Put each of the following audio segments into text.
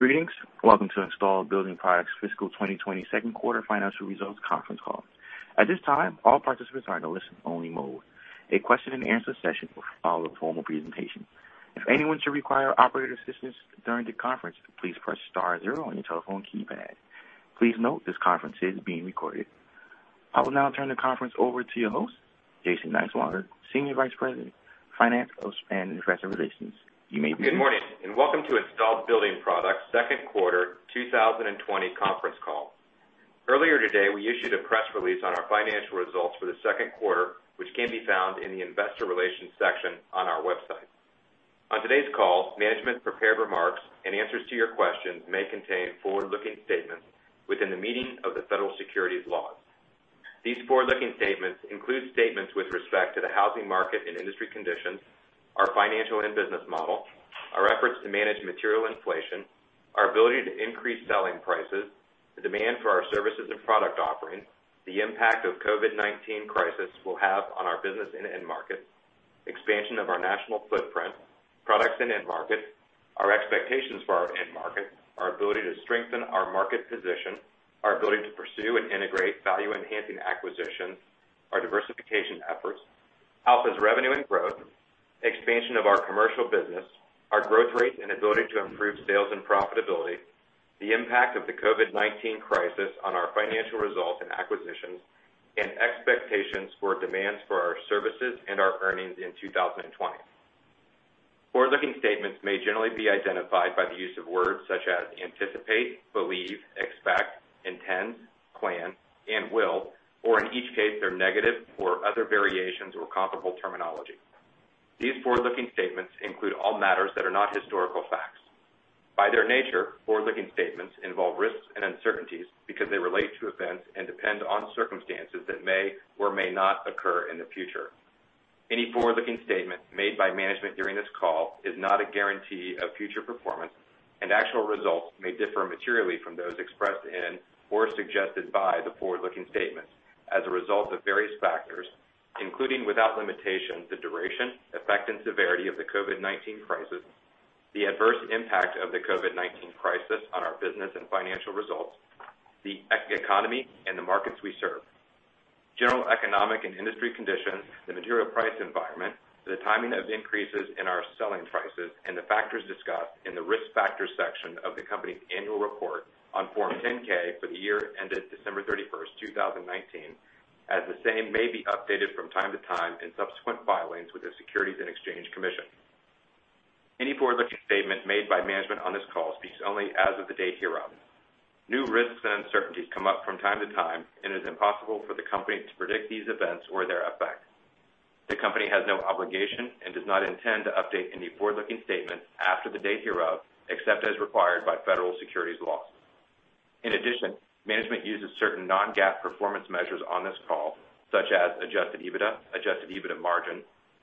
Greetings. Welcome to Installed Building Products fiscal 2022 second quarter financial results conference call. At this time, all participants are in a listen-only mode. A question-and-answer session will follow the formal presentation. If anyone should require operator assistance during the conference, please press star zero on your telephone keypad. Please note this conference is being recorded. I will now turn the conference over to your host, Jason Niswonger, Senior Vice President, Finance and Investor Relations. You may begin. Good morning and welcome to Installed Building Products second quarter 2020 conference call. Earlier today, we issued a press release on our financial results for the second quarter, which can be found in the Investor Relations section on our website. On today's call, management's prepared remarks and answers to your questions may contain forward-looking statements within the meaning of the federal securities laws. These forward-looking statements include statements with respect to the housing market and industry conditions, our financial and business model, our efforts to manage material inflation, our ability to increase selling prices, the demand for our services and product offerings, the impact of the COVID-19 crisis will have on our business and markets, expansion of our national footprint, products and markets, our expectations for our end market, our ability to strengthen our market position, our ability to pursue and integrate value-enhancing acquisitions, our diversification efforts, Alpha's revenue and growth, expansion of our commercial business, our growth rates and ability to improve sales and profitability, the impact of the COVID-19 crisis on our financial results and acquisitions, and expectations for demands for our services and our earnings in 2020. Forward-looking statements may generally be identified by the use of words such as anticipate, believe, expect, intend, plan, and will, or in each case, their negative or other variations or comparable terminology. These forward-looking statements include all matters that are not historical facts. By their nature, forward-looking statements involve risks and uncertainties because they relate to events and depend on circumstances that may or may not occur in the future. Any forward-looking statement made by management during this call is not a guarantee of future performance, and actual results may differ materially from those expressed in or suggested by the forward-looking statements as a result of various factors, including without limitation the duration, effect, and severity of the COVID-19 crisis, the adverse impact of the COVID-19 crisis on our business and financial results, the economy, and the markets we serve. General economic and industry conditions, the material price environment, the timing of increases in our selling prices, and the factors discussed in the risk factors section of the company's annual report on Form 10-K for the year ended December 31st, 2019, as the same may be updated from time to time in subsequent filings with the Securities and Exchange Commission. Any forward-looking statement made by management on this call speaks only as of the date hereof. New risks and uncertainties come up from time to time, and it is impossible for the company to predict these events or their effect. The company has no obligation and does not intend to update any forward-looking statements after the date hereof except as required by federal securities laws. In addition, management uses certain non-GAAP performance measures on this call, such as Adjusted EBITDA, Adjusted EBITDA Margin,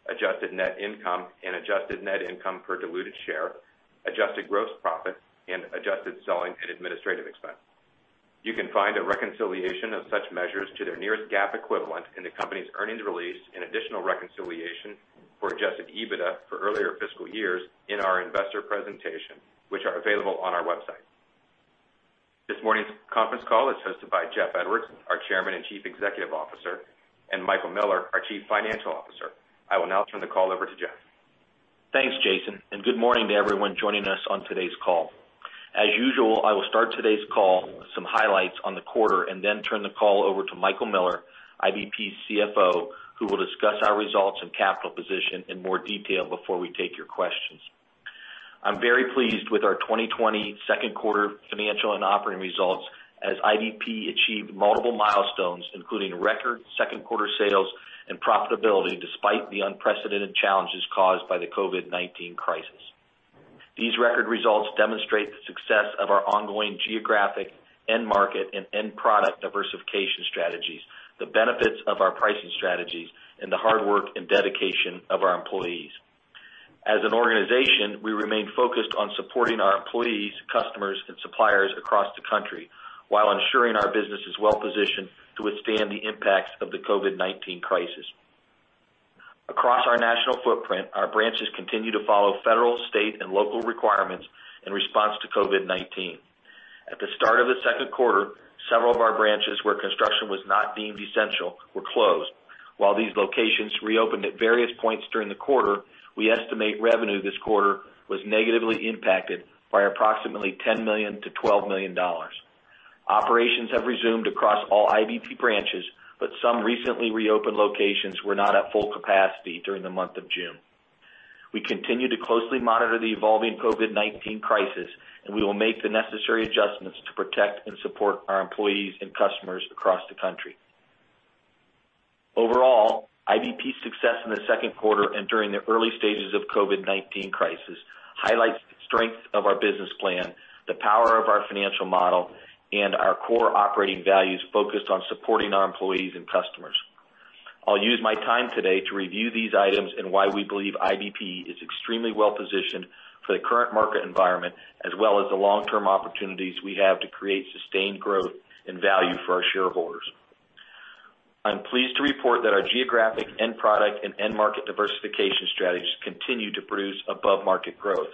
Adjusted Net Income, and Adjusted Net Income per Diluted Share, Adjusted Gross Profit, and Adjusted Selling and Administrative Expense. You can find a reconciliation of such measures to their nearest GAAP equivalent in the company's earnings release and additional reconciliation for Adjusted EBITDA for earlier fiscal years in our investor presentation, which are available on our website. This morning's conference call is hosted by Jeff Edwards, our Chairman and Chief Executive Officer, and Michael Miller, our Chief Financial Officer. I will now turn the call over to Jeff. Thanks, Jason, and good morning to everyone joining us on today's call. As usual, I will start today's call with some highlights on the quarter and then turn the call over to Michael Miller, IBP's CFO, who will discuss our results and capital position in more detail before we take your questions. I'm very pleased with our 2020 second quarter financial and operating results as IBP achieved multiple milestones, including record second quarter sales and profitability despite the unprecedented challenges caused by the COVID-19 crisis. These record results demonstrate the success of our ongoing geographic end market and end product diversification strategies, the benefits of our pricing strategies, and the hard work and dedication of our employees. As an organization, we remain focused on supporting our employees, customers, and suppliers across the country while ensuring our business is well positioned to withstand the impacts of the COVID-19 crisis. Across our national footprint, our branches continue to follow federal, state, and local requirements in response to COVID-19. At the start of the second quarter, several of our branches where construction was not deemed essential were closed. While these locations reopened at various points during the quarter, we estimate revenue this quarter was negatively impacted by approximately $10 million-$12 million. Operations have resumed across all IBP branches, but some recently reopened locations were not at full capacity during the month of June. We continue to closely monitor the evolving COVID-19 crisis, and we will make the necessary adjustments to protect and support our employees and customers across the country. Overall, IBP's success in the second quarter and during the early stages of the COVID-19 crisis highlights the strength of our business plan, the power of our financial model, and our core operating values focused on supporting our employees and customers. I'll use my time today to review these items and why we believe IBP is extremely well positioned for the current market environment as well as the long-term opportunities we have to create sustained growth and value for our shareholders. I'm pleased to report that our geographic end product and end market diversification strategies continue to produce above-market growth.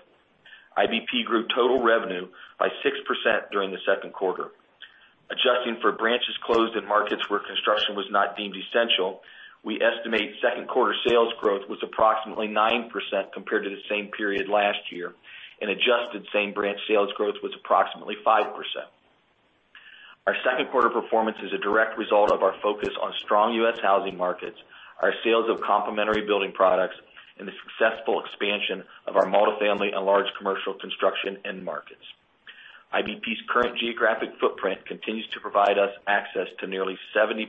IBP grew total revenue by 6% during the second quarter. Adjusting for branches closed and markets where construction was not deemed essential, we estimate second quarter sales growth was approximately 9% compared to the same period last year, and adjusted same branch sales growth was approximately 5%. Our second quarter performance is a direct result of our focus on strong U.S. housing markets, our sales of complementary building products, and the successful expansion of our multifamily and large commercial construction end markets. IBP's current geographic footprint continues to provide us access to nearly 70%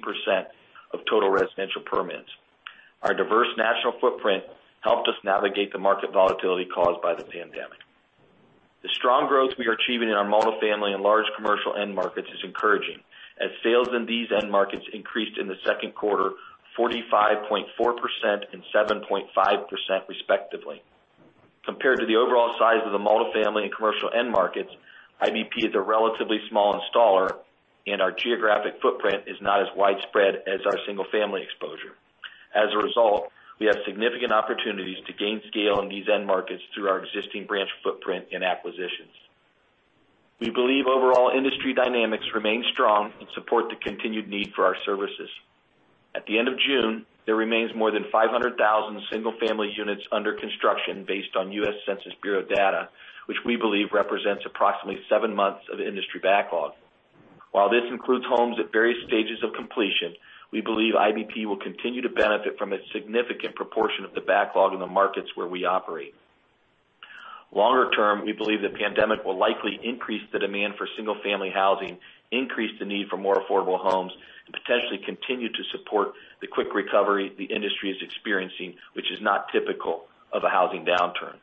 of total residential permits. Our diverse national footprint helped us navigate the market volatility caused by the pandemic. The strong growth we are achieving in our multifamily and large commercial end markets is encouraging as sales in these end markets increased in the second quarter 45.4% and 7.5% respectively. Compared to the overall size of the multifamily and commercial end markets, IBP is a relatively small installer, and our geographic footprint is not as widespread as our single-family exposure. As a result, we have significant opportunities to gain scale in these end markets through our existing branch footprint and acquisitions. We believe overall industry dynamics remain strong and support the continued need for our services. At the end of June, there remains more than 500,000 single-family units under construction based on U.S. Census Bureau data, which we believe represents approximately seven months of industry backlog. While this includes homes at various stages of completion, we believe IBP will continue to benefit from a significant proportion of the backlog in the markets where we operate. Longer term, we believe the pandemic will likely increase the demand for single-family housing, increase the need for more affordable homes, and potentially continue to support the quick recovery the industry is experiencing, which is not typical of a housing downturn.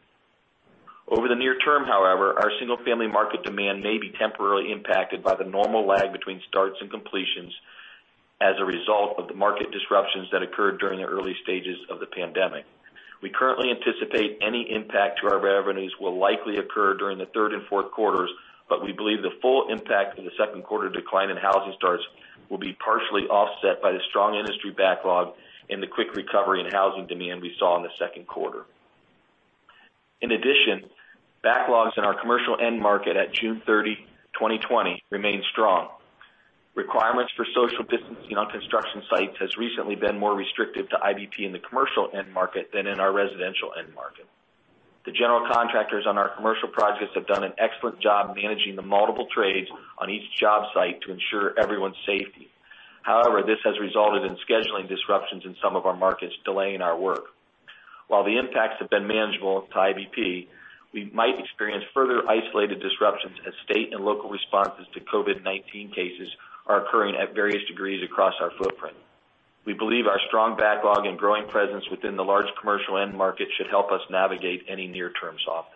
Over the near term, however, our single-family market demand may be temporarily impacted by the normal lag between starts and completions as a result of the market disruptions that occurred during the early stages of the pandemic. We currently anticipate any impact to our revenues will likely occur during the third and fourth quarters, but we believe the full impact of the second quarter decline in housing starts will be partially offset by the strong industry backlog and the quick recovery in housing demand we saw in the second quarter. In addition, backlogs in our commercial end market at June 30, 2020, remain strong. Requirements for social distancing on construction sites have recently been more restrictive to IBP in the commercial end market than in our residential end market. The general contractors on our commercial projects have done an excellent job managing the multiple trades on each job site to ensure everyone's safety. However, this has resulted in scheduling disruptions in some of our markets delaying our work. While the impacts have been manageable to IBP, we might experience further isolated disruptions as state and local responses to COVID-19 cases are occurring at various degrees across our footprint. We believe our strong backlog and growing presence within the large commercial end market should help us navigate any near-term softness.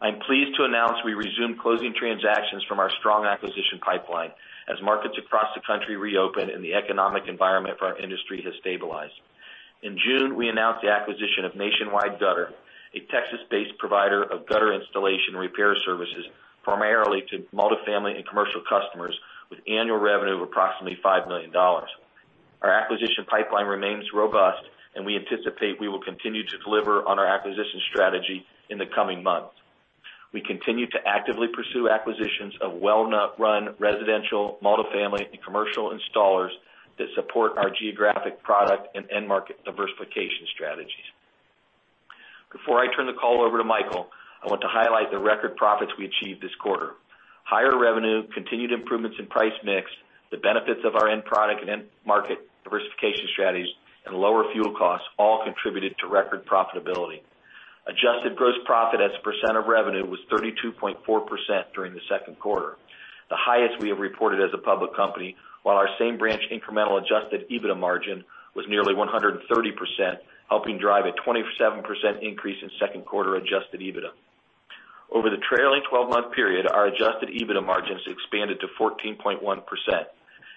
I'm pleased to announce we resume closing transactions from our strong acquisition pipeline as markets across the country reopen and the economic environment for our industry has stabilized. In June, we announced the acquisition of Nationwide Gutter, a Texas-based provider of gutter installation repair services primarily to multifamily and commercial customers with annual revenue of approximately $5 million. Our acquisition pipeline remains robust, and we anticipate we will continue to deliver on our acquisition strategy in the coming months. We continue to actively pursue acquisitions of well-run residential, multifamily, and commercial installers that support our geographic product and end market diversification strategies. Before I turn the call over to Michael, I want to highlight the record profits we achieved this quarter. Higher revenue, continued improvements in price mix, the benefits of our end product and end market diversification strategies, and lower fuel costs all contributed to record profitability. Adjusted gross profit as a percent of revenue was 32.4% during the second quarter, the highest we have reported as a public company, while our same branch incremental adjusted EBITDA margin was nearly 130%, helping drive a 27% increase in second quarter adjusted EBITDA. Over the trailing 12-month period, our adjusted EBITDA margins expanded to 14.1%,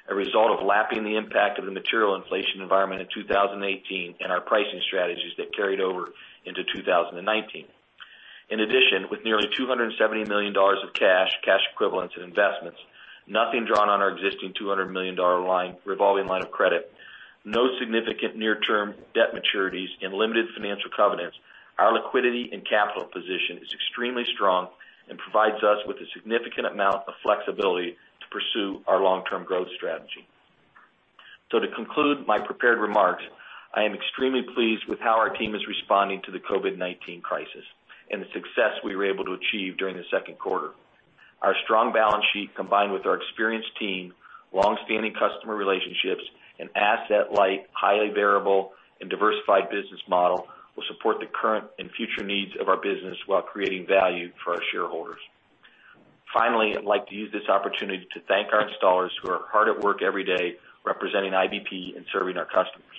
a result of lapping the impact of the material inflation environment in 2018 and our pricing strategies that carried over into 2019. In addition, with nearly $270 million of cash, cash equivalents, and investments, nothing drawn on our existing $200 million revolving line of credit, no significant near-term debt maturities, and limited financial covenants, our liquidity and capital position is extremely strong and provides us with a significant amount of flexibility to pursue our long-term growth strategy. So to conclude my prepared remarks, I am extremely pleased with how our team is responding to the COVID-19 crisis and the success we were able to achieve during the second quarter. Our strong balance sheet, combined with our experienced team, longstanding customer relationships, and asset-light, highly variable, and diversified business model will support the current and future needs of our business while creating value for our shareholders. Finally, I'd like to use this opportunity to thank our installers who are hard at work every day representing IBP and serving our customers.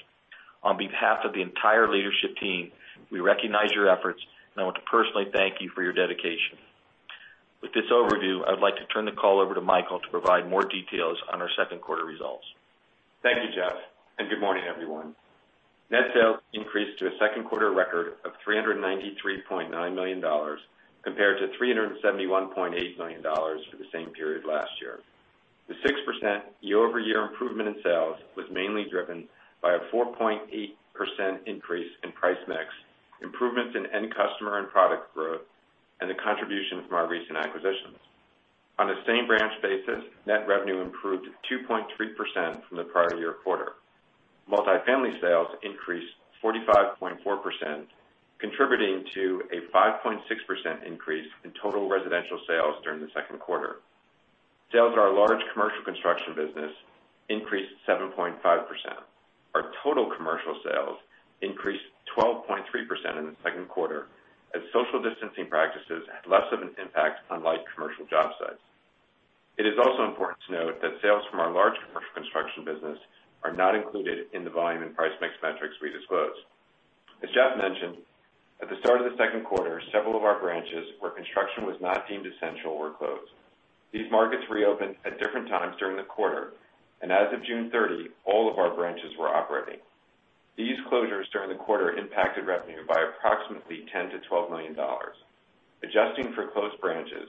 On behalf of the entire leadership team, we recognize your efforts, and I want to personally thank you for your dedication. With this overview, I would like to turn the call over to Michael to provide more details on our second quarter results. Thank you, Jeff, and good morning, everyone. Net sales increased to a second quarter record of $393.9 million compared to $371.8 million for the same period last year. The 6% year-over-year improvement in sales was mainly driven by a 4.8% increase in price mix, improvements in end customer and product growth, and the contribution from our recent acquisitions. On a same branch basis, net revenue improved 2.3% from the prior year quarter. Multifamily sales increased 45.4%, contributing to a 5.6% increase in total residential sales during the second quarter. Sales of our large commercial construction business increased 7.5%. Our total commercial sales increased 12.3% in the second quarter as social distancing practices had less of an impact on light commercial job sites. It is also important to note that sales from our large commercial construction business are not included in the volume and price mix metrics we disclosed. As Jeff mentioned, at the start of the second quarter, several of our branches where construction was not deemed essential were closed. These markets reopened at different times during the quarter, and as of June 30, all of our branches were operating. These closures during the quarter impacted revenue by approximately $10-$12 million. Adjusting for closed branches,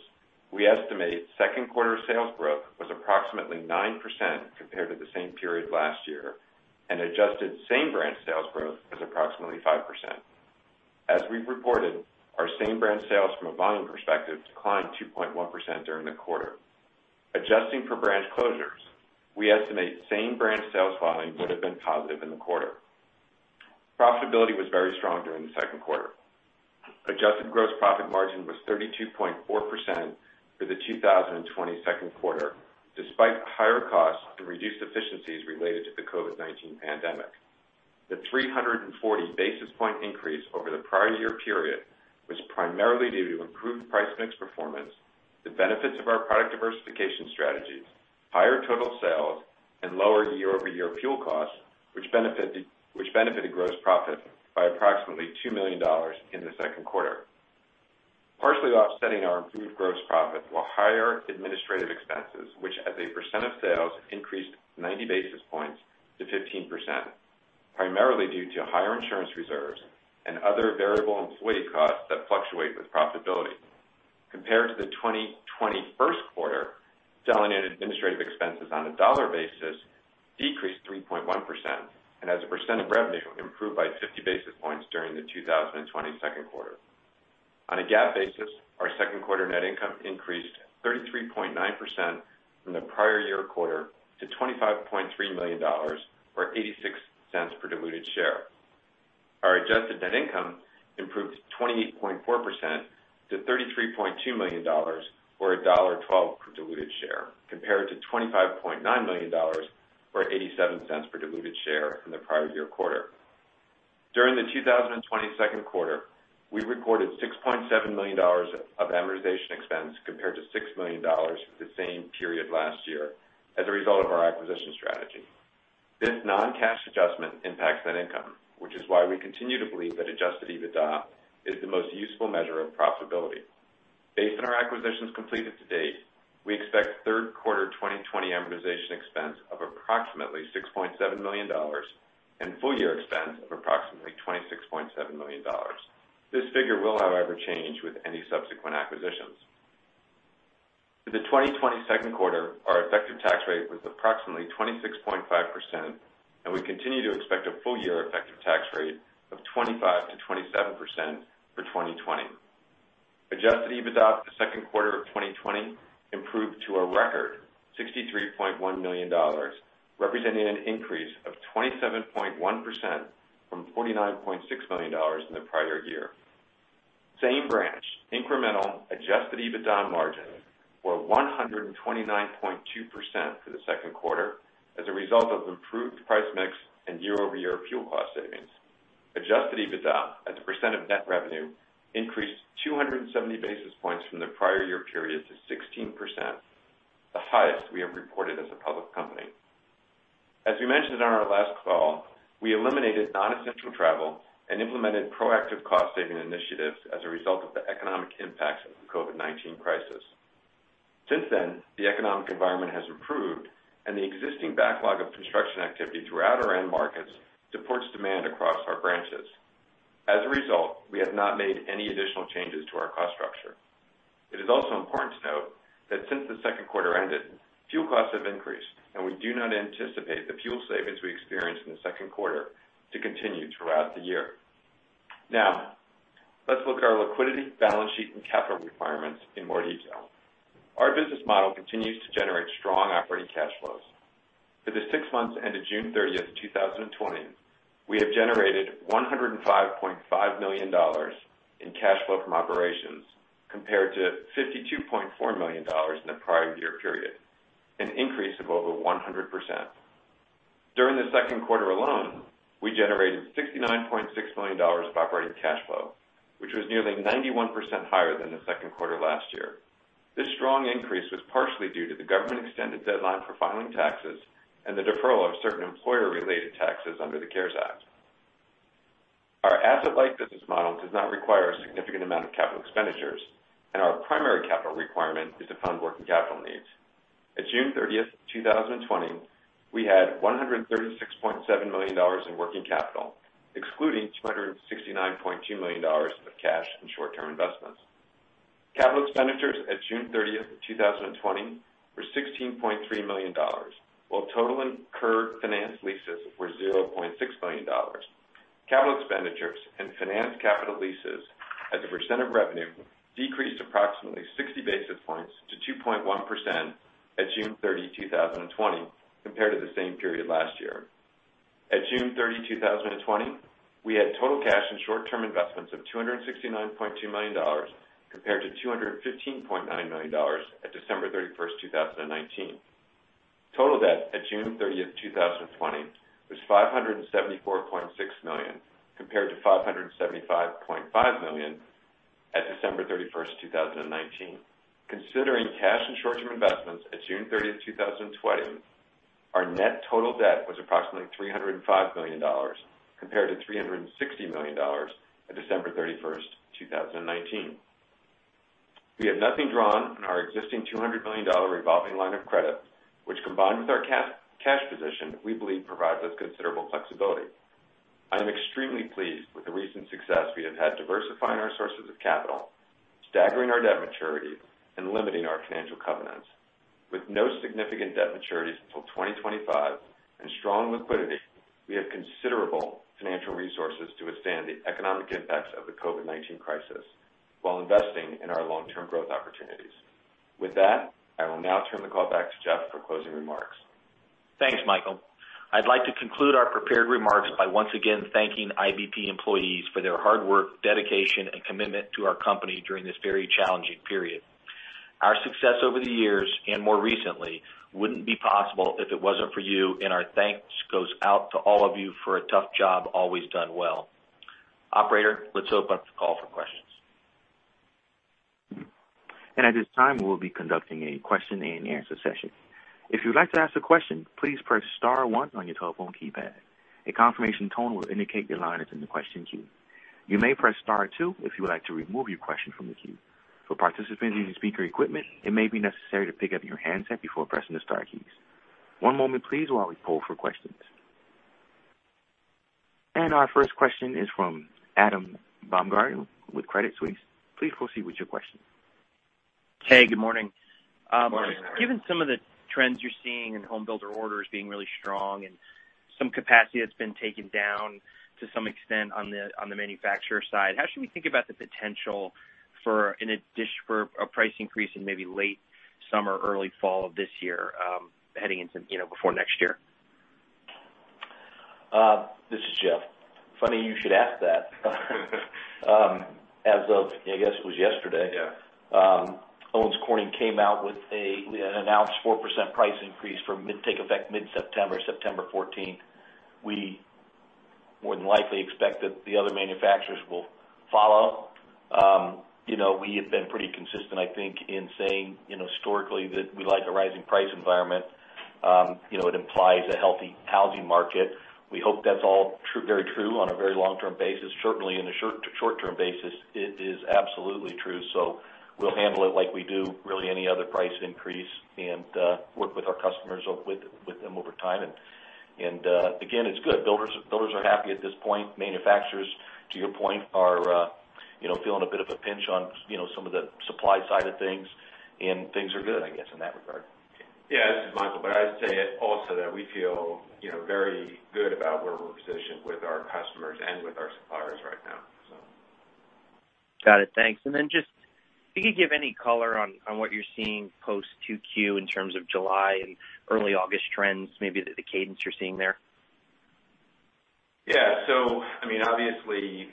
we estimate second quarter sales growth was approximately 9% compared to the same period last year and adjusted same branch sales growth was approximately 5%. As we've reported, our same branch sales from a volume perspective declined 2.1% during the quarter. Adjusting for branch closures, we estimate same branch sales volume would have been positive in the quarter. Profitability was very strong during the second quarter. Adjusted gross profit margin was 32.4% for the 2020 second quarter despite higher costs and reduced efficiencies related to the COVID-19 pandemic. The 340 basis point increase over the prior year period was primarily due to improved price mix performance, the benefits of our product diversification strategies, higher total sales, and lower year-over-year fuel costs, which benefited gross profit by approximately $2 million in the second quarter, partially offsetting our improved gross profit, while higher administrative expenses, which as a percent of sales increased 90 basis points to 15%, primarily due to higher insurance reserves and other variable employee costs that fluctuate with profitability. Compared to the first quarter, selling and administrative expenses on a dollar basis decreased 3.1% and as a percent of revenue improved by 50 basis points during the second quarter. On a GAAP basis, our second quarter net income increased 33.9% from the prior year quarter to $25.3 million or $0.86 per diluted share. Our adjusted net income improved 28.4% to $33.2 million or $1.12 per diluted share compared to $25.9 million or $0.87 per diluted share in the prior year quarter. During the second quarter, we recorded $6.7 million of amortization expense compared to $6 million for the same period last year as a result of our acquisition strategy. This non-cash adjustment impacts net income, which is why we continue to believe that Adjusted EBITDA is the most useful measure of profitability. Based on our acquisitions completed to date, we expect third quarter 2020 amortization expense of approximately $6.7 million and full year expense of approximately $26.7 million. This figure will, however, change with any subsequent acquisitions. For the second quarter, our effective tax rate was approximately 26.5%, and we continue to expect a full year effective tax rate of 25%-27% for 2020. Adjusted EBITDA for the second quarter of 2020 improved to a record $63.1 million, representing an increase of 27.1% from $49.6 million in the prior year. Same branch incremental adjusted EBITDA margins were 129.2% for the second quarter as a result of improved price mix and year-over-year fuel cost savings. Adjusted EBITDA as a percent of net revenue increased 270 basis points from the prior year period to 16%, the highest we have reported as a public company. As we mentioned on our last call, we eliminated non-essential travel and implemented proactive cost-saving initiatives as a result of the economic impacts of the COVID-19 crisis. Since then, the economic environment has improved, and the existing backlog of construction activity throughout our end markets supports demand across our branches. As a result, we have not made any additional changes to our cost structure. It is also important to note that since the second quarter ended, fuel costs have increased, and we do not anticipate the fuel savings we experienced in the second quarter to continue throughout the year. Now, let's look at our liquidity, balance sheet, and capital requirements in more detail. Our business model continues to generate strong operating cash flows. For the six months ended June 30th, 2020, we have generated $105.5 million in cash flow from operations compared to $52.4 million in the prior year period, an increase of over 100%. During the second quarter alone, we generated $69.6 million of operating cash flow, which was nearly 91% higher than the second quarter last year. This strong increase was partially due to the government extended deadline for filing taxes and the deferral of certain employer-related taxes under the CARES Act. Our asset-light business model does not require a significant amount of capital expenditures, and our primary capital requirement is to fund working capital needs. At June 30th, 2020, we had $136.7 million in working capital, excluding $269.2 million of cash and short-term investments. Capital expenditures at June 30th, 2020, were $16.3 million, while total incurred finance leases were $0.6 million. Capital expenditures and finance capital leases as a percent of revenue decreased approximately 60 basis points to 2.1% at June 30, 2020, compared to the same period last year. At June 30, 2020, we had total cash and short-term investments of $269.2 million compared to $215.9 million at December 31st, 2019. Total debt at June 30th, 2020, was $574.6 million compared to $575.5 million at December 31st, 2019. Considering cash and short-term investments at June 30th, 2020, our net total debt was approximately $305 million compared to $360 million at December 31st, 2019. We have nothing drawn on our existing $200 million revolving line of credit, which combined with our cash position, we believe, provides us considerable flexibility. I am extremely pleased with the recent success we have had diversifying our sources of capital, staggering our debt maturity, and limiting our financial covenants. With no significant debt maturities until 2025 and strong liquidity, we have considerable financial resources to withstand the economic impacts of the COVID-19 crisis while investing in our long-term growth opportunities. With that, I will now turn the call back to Jeff for closing remarks. Thanks, Michael. I'd like to conclude our prepared remarks by once again thanking IBP employees for their hard work, dedication, and commitment to our company during this very challenging period. Our success over the years and more recently wouldn't be possible if it wasn't for you, and our thanks goes out to all of you for a tough job always done well. Operator, let's open up the call for questions. At this time, we will be conducting a question and answer session. If you would like to ask a question, please press star one on your telephone keypad. A confirmation tone will indicate your line is in the question queue. You may press star two if you would like to remove your question from the queue. For participants using speaker equipment, it may be necessary to pick up your handset before pressing the star keys. One moment, please, while we pull for questions. Our first question is from Adam Baumgarten with Credit Suisse. Please proceed with your question. Hey, good morning. Given some of the trends you're seeing in home builder orders being really strong and some capacity that's been taken down to some extent on the manufacturer side, how should we think about the potential for a price increase in maybe late summer, early fall of this year heading into before next year? This is Jeff. Funny you should ask that. As of, I guess it was yesterday, Owens Corning came out with an announced 4% price increase to take effect mid-September, September 14th. We more than likely expect that the other manufacturers will follow. We have been pretty consistent, I think, in saying historically that we like a rising price environment. It implies a healthy housing market. We hope that's all very true on a very long-term basis. Certainly, in the short-term basis, it is absolutely true. So we'll handle it like we do really any other price increase and work with our customers, with them over time. And again, it's good. Builders are happy at this point. Manufacturers, to your point, are feeling a bit of a pinch on some of the supply side of things, and things are good, I guess, in that regard. Yeah, this is Michael. But I'd say also that we feel very good about where we're positioned with our customers and with our suppliers right now, so. Got it. Thanks. And then just if you could give any color on what you're seeing post-2Q in terms of July and early August trends, maybe the cadence you're seeing there? Yeah. So I mean, obviously,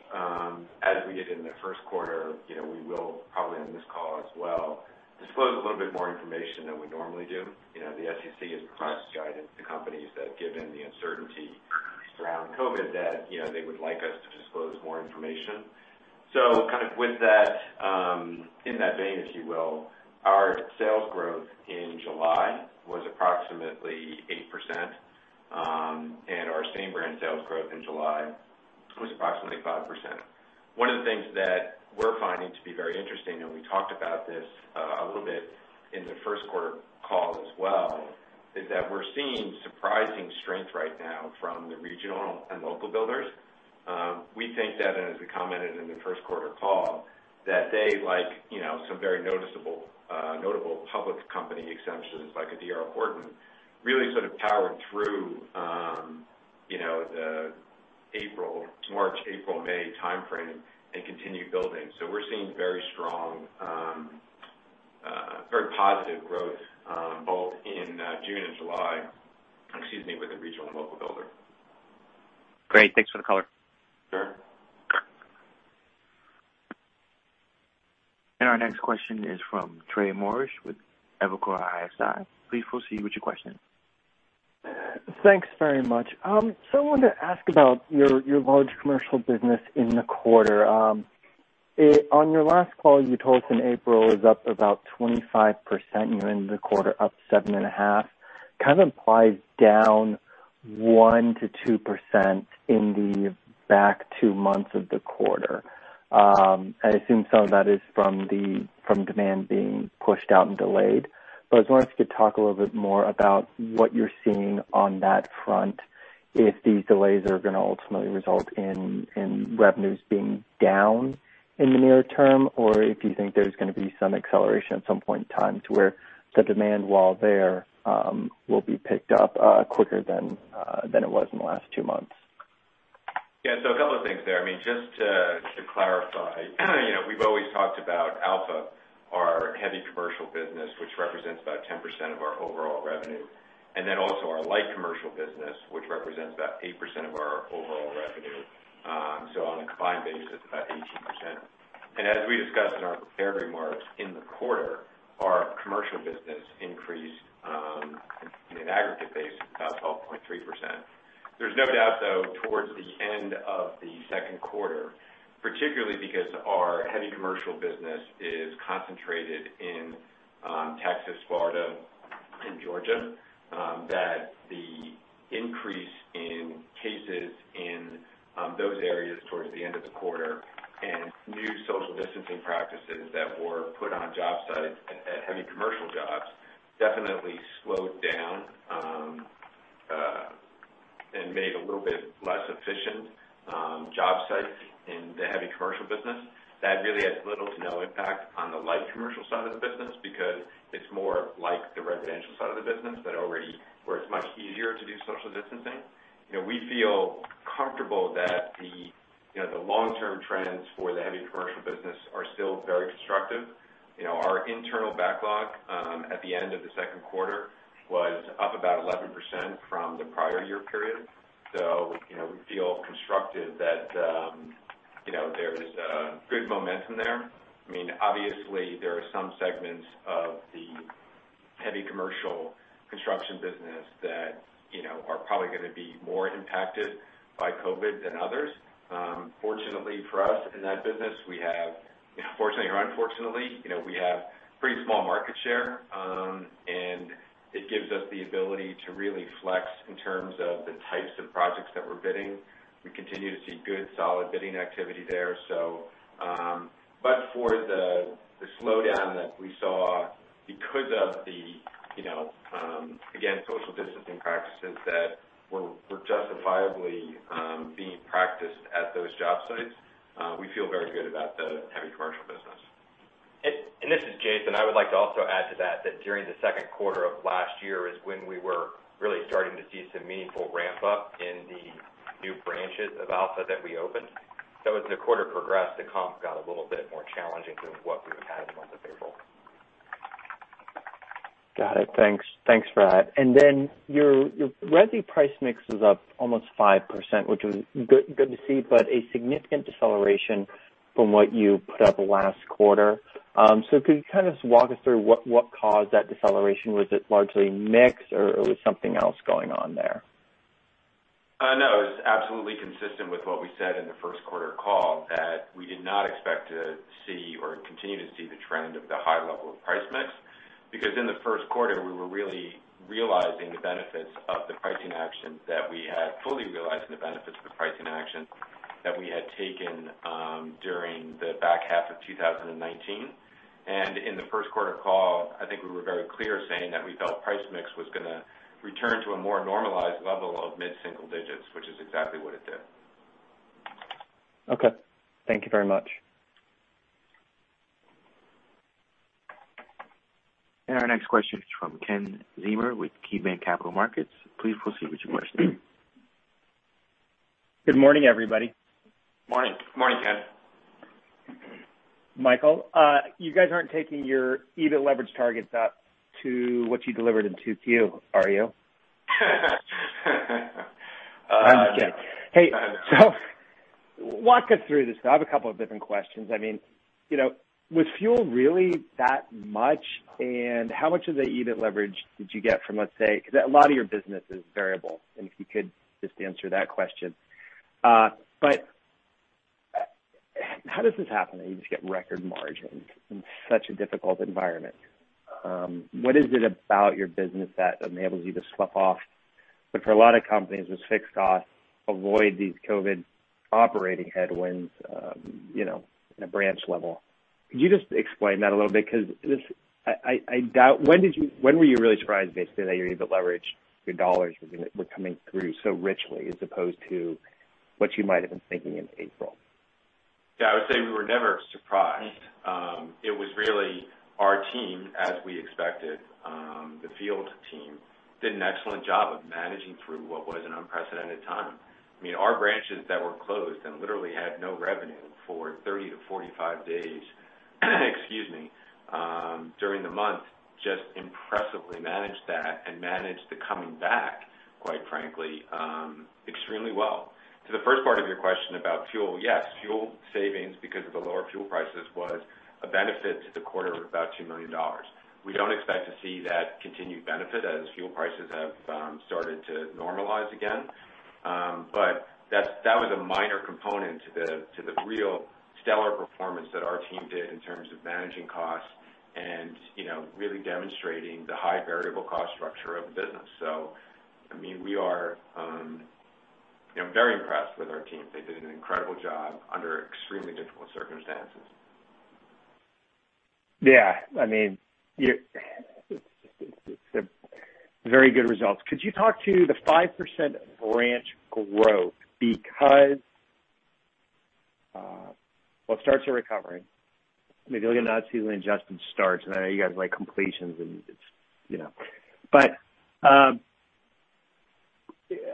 as we did in the first quarter, we will probably on this call as well disclose a little bit more information than we normally do. The SEC has provided guidance to companies that, given the uncertainty surrounding COVID, that they would like us to disclose more information. So kind of in that vein, if you will, our sales growth in July was approximately 8%, and our same brand sales growth in July was approximately 5%. One of the things that we're finding to be very interesting, and we talked about this a little bit in the first quarter call as well, is that we're seeing surprising strength right now from the regional and local builders. We think that, and as we commented in the first quarter call, that they, like some very notable public company examples like D.R. Horton. Horton, really sort of powered through the March, April, May time frame and continued building. So we're seeing very strong, very positive growth both in June and July with the regional and local builder. Great. Thanks for the color. Sure. Our next question is from Trey Morrish with Evercore ISI. Please proceed with your question. Thanks very much. So I wanted to ask about your large commercial business in the quarter. On your last call, you told us in April it was up about 25%. You were in the quarter up 7.5%. Kind of implies down 1%-2% in the back two months of the quarter. I assume some of that is from demand being pushed out and delayed. But I just wanted to talk a little bit more about what you're seeing on that front, if these delays are going to ultimately result in revenues being down in the near term, or if you think there's going to be some acceleration at some point in time to where the demand, while there, will be picked up quicker than it was in the last two months. Yeah. So a couple of things there. I mean, just to clarify, we've always talked about Alpha, our heavy commercial business, which represents about 10% of our overall revenue, and then also our light commercial business, which represents about 8% of our overall revenue. So on a combined basis, about 18%. And as we discussed in our prepared remarks in the quarter, our commercial business increased in an aggregate base of about 12.3%. There's no doubt, though, towards the end of the second quarter, particularly because our heavy commercial business is concentrated in Texas, Florida, and Georgia, that the increase in cases in those areas towards the end of the quarter and new social distancing practices that were put on job sites at heavy commercial jobs definitely slowed down and made a little bit less efficient job sites in the heavy commercial business. That really had little to no impact on the light commercial side of the business because it's more like the residential side of the business that already where it's much easier to do social distancing. We feel comfortable that the long-term trends for the heavy commercial business are still very constructive. Our internal backlog at the end of the second quarter was up about 11% from the prior year period. So we feel constructive that there is good momentum there. I mean, obviously, there are some segments of the heavy commercial construction business that are probably going to be more impacted by COVID than others. Fortunately for us in that business, we have fortunately or unfortunately, we have pretty small market share, and it gives us the ability to really flex in terms of the types of projects that we're bidding. We continue to see good, solid bidding activity there. But for the slowdown that we saw because of the, again, social distancing practices that were justifiably being practiced at those job sites, we feel very good about the heavy commercial business. This is Jason. I would like to also add to that that during the second quarter of last year is when we were really starting to see some meaningful ramp-up in the new branches of Alpha that we opened. So as the quarter progressed, the comp got a little bit more challenging than what we had in the month of April. Got it. Thanks for that. And then your revenue price mix is up almost 5%, which was good to see, but a significant deceleration from what you put up last quarter. So could you kind of just walk us through what caused that deceleration? Was it largely mixed, or was something else going on there? No. It was absolutely consistent with what we said in the first quarter call, that we did not expect to see or continue to see the trend of the high level of price mix because in the first quarter, we were really realizing the benefits of the pricing actions that we had taken during the back half of 2019. In the first quarter call, I think we were very clear saying that we felt price mix was going to return to a more normalized level of mid-single digits, which is exactly what it did. Okay. Thank you very much. Our next question is from Ken Zener with KeyBanc Capital Markets. Please proceed with your question. Good morning, everybody. Morning. Good morning, Ken. Michael, you guys aren't taking your EBIT leverage targets up to what you delivered in 2Q, are you? I'm just kidding. Hey, so walk us through this. I have a couple of different questions. I mean, was fuel really that much, and how much of the EBIT leverage did you get from, let's say because a lot of your business is variable, and if you could just answer that question? But how does this happen that you just get record margins in such a difficult environment? What is it about your business that enables you to slough off what for a lot of companies was fixed cost, avoid these COVID operating headwinds at a branch level? Could you just explain that a little bit because I doubt when were you really surprised, basically, that your EBIT leverage, your dollars, were coming through so richly as opposed to what you might have been thinking in April? Yeah. I would say we were never surprised. It was really our team as we expected. The field team did an excellent job of managing through what was an unprecedented time. I mean, our branches that were closed and literally had no revenue for 30-45 days during the month just impressively managed that and managed the coming back, quite frankly, extremely well. To the first part of your question about fuel, yes. Fuel savings because of the lower fuel prices was a benefit to the quarter of about $2 million. We don't expect to see that continued benefit as fuel prices have started to normalize again. But that was a minor component to the real stellar performance that our team did in terms of managing costs and really demonstrating the high variable cost structure of the business. So I mean, we are very impressed with our team. They did an incredible job under extremely difficult circumstances. Yeah. I mean, it's very good results. Could you talk to the 5% branch growth because, well, it starts to recover. Maybe you'll get an odd season when Justin starts, and I know you guys like completions, and it's but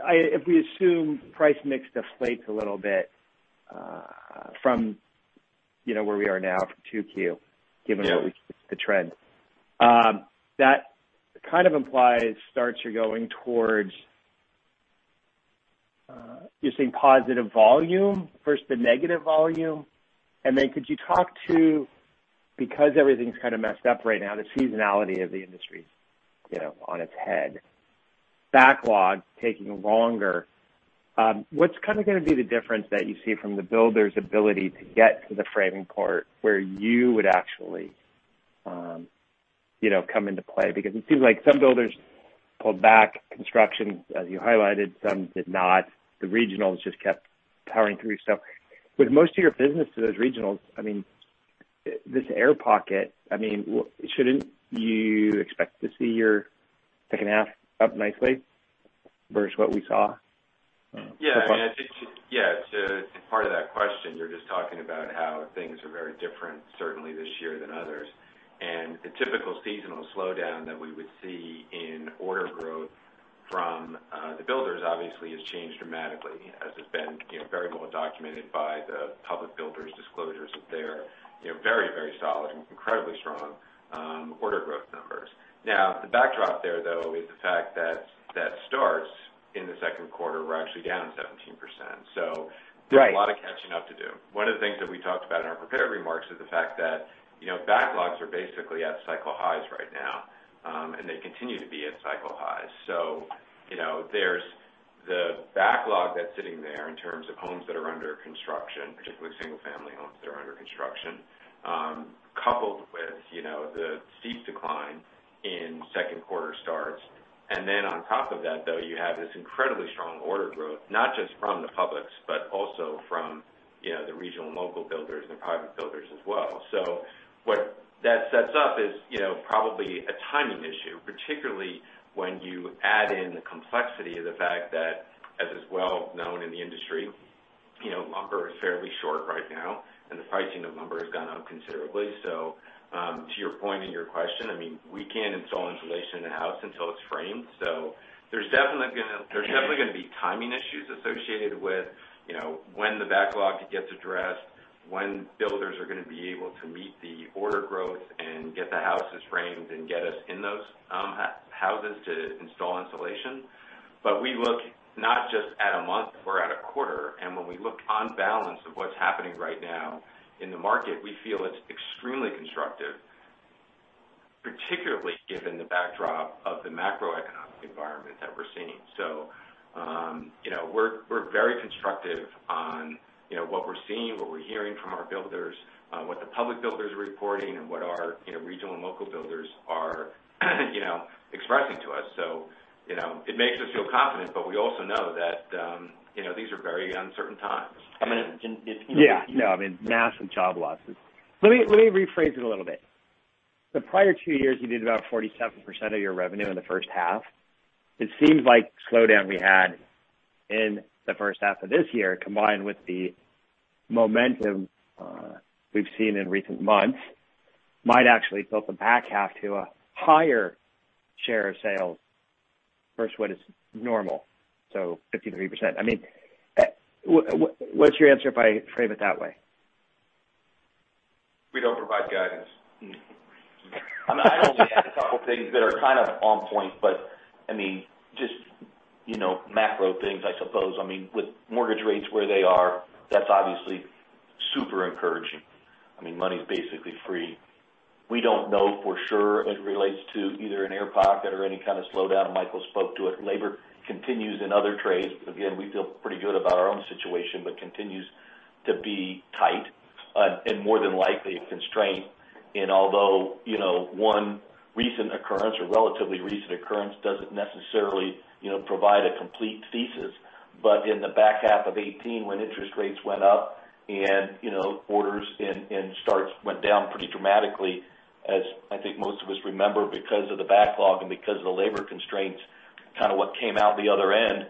if we assume price mix deflates a little bit from where we are now for 2Q, given what we see as the trend, that kind of implies starts are going towards you're seeing positive volume versus the negative volume. And then could you talk to, because everything's kind of messed up right now, the seasonality of the industry on its head, backlog taking longer, what's kind of going to be the difference that you see from the builders' ability to get to the framing port where you would actually come into play? Because it seems like some builders pulled back construction, as you highlighted. Some did not. The regional just kept powering through. So with most of your business to those regional, I mean, this air pocket, I mean, shouldn't you expect to see your second half up nicely versus what we saw? Yeah. I mean, yeah, to part of that question, you're just talking about how things are very different, certainly this year than others. The typical seasonal slowdown that we would see in order growth from the builders, obviously, has changed dramatically, as has been very well documented by the public builders' disclosures of their very, very solid and incredibly strong order growth numbers. Now, the backdrop there, though, is the fact that starts in the second quarter were actually down 17%. So there's a lot of catching up to do. One of the things that we talked about in our prepared remarks is the fact that backlogs are basically at cycle highs right now, and they continue to be at cycle highs. So there's the backlog that's sitting there in terms of homes that are under construction, particularly single-family homes that are under construction, coupled with the steep decline in second quarter starts. And then on top of that, though, you have this incredibly strong order growth, not just from the public's but also from the regional and local builders and private builders as well. So what that sets up is probably a timing issue, particularly when you add in the complexity of the fact that, as is well known in the industry, lumber is fairly short right now, and the pricing of lumber has gone up considerably. So to your point and your question, I mean, we can't install insulation in the house until it's framed. So there's definitely going to be timing issues associated with when the backlog gets addressed, when builders are going to be able to meet the order growth and get the houses framed and get us in those houses to install insulation. But we look not just at a month. We're at a quarter. And when we look on balance of what's happening right now in the market, we feel it's extremely constructive, particularly given the backdrop of the macroeconomic environment that we're seeing. So we're very constructive on what we're seeing, what we're hearing from our builders, what the public builders are reporting, and what our regional and local builders are expressing to us. So it makes us feel confident, but we also know that these are very uncertain times. I'm going to if you want to. Yeah. No. I mean, massive job losses. Let me rephrase it a little bit. The prior two years, you did about 47% of your revenue in the first half. It seems like the slowdown we had in the first half of this year, combined with the momentum we've seen in recent months, might actually tilt the back half to a higher share of sales versus what is normal, so 53%. I mean, what's your answer if I frame it that way? We don't provide guidance. I mean, I'd only add a couple of things that are kind of on point, but I mean, just macro things, I suppose. I mean, with mortgage rates where they are, that's obviously super encouraging. I mean, money's basically free. We don't know for sure. It relates to either an air pocket or any kind of slowdown. Michael spoke to it. Labor continues in other trades. Again, we feel pretty good about our own situation, but continues to be tight and more than likely a constraint. Although one recent occurrence or relatively recent occurrence doesn't necessarily provide a complete thesis, but in the back half of 2018, when interest rates went up and orders and starts went down pretty dramatically, as I think most of us remember, because of the backlog and because of the labor constraints, kind of what came out the other end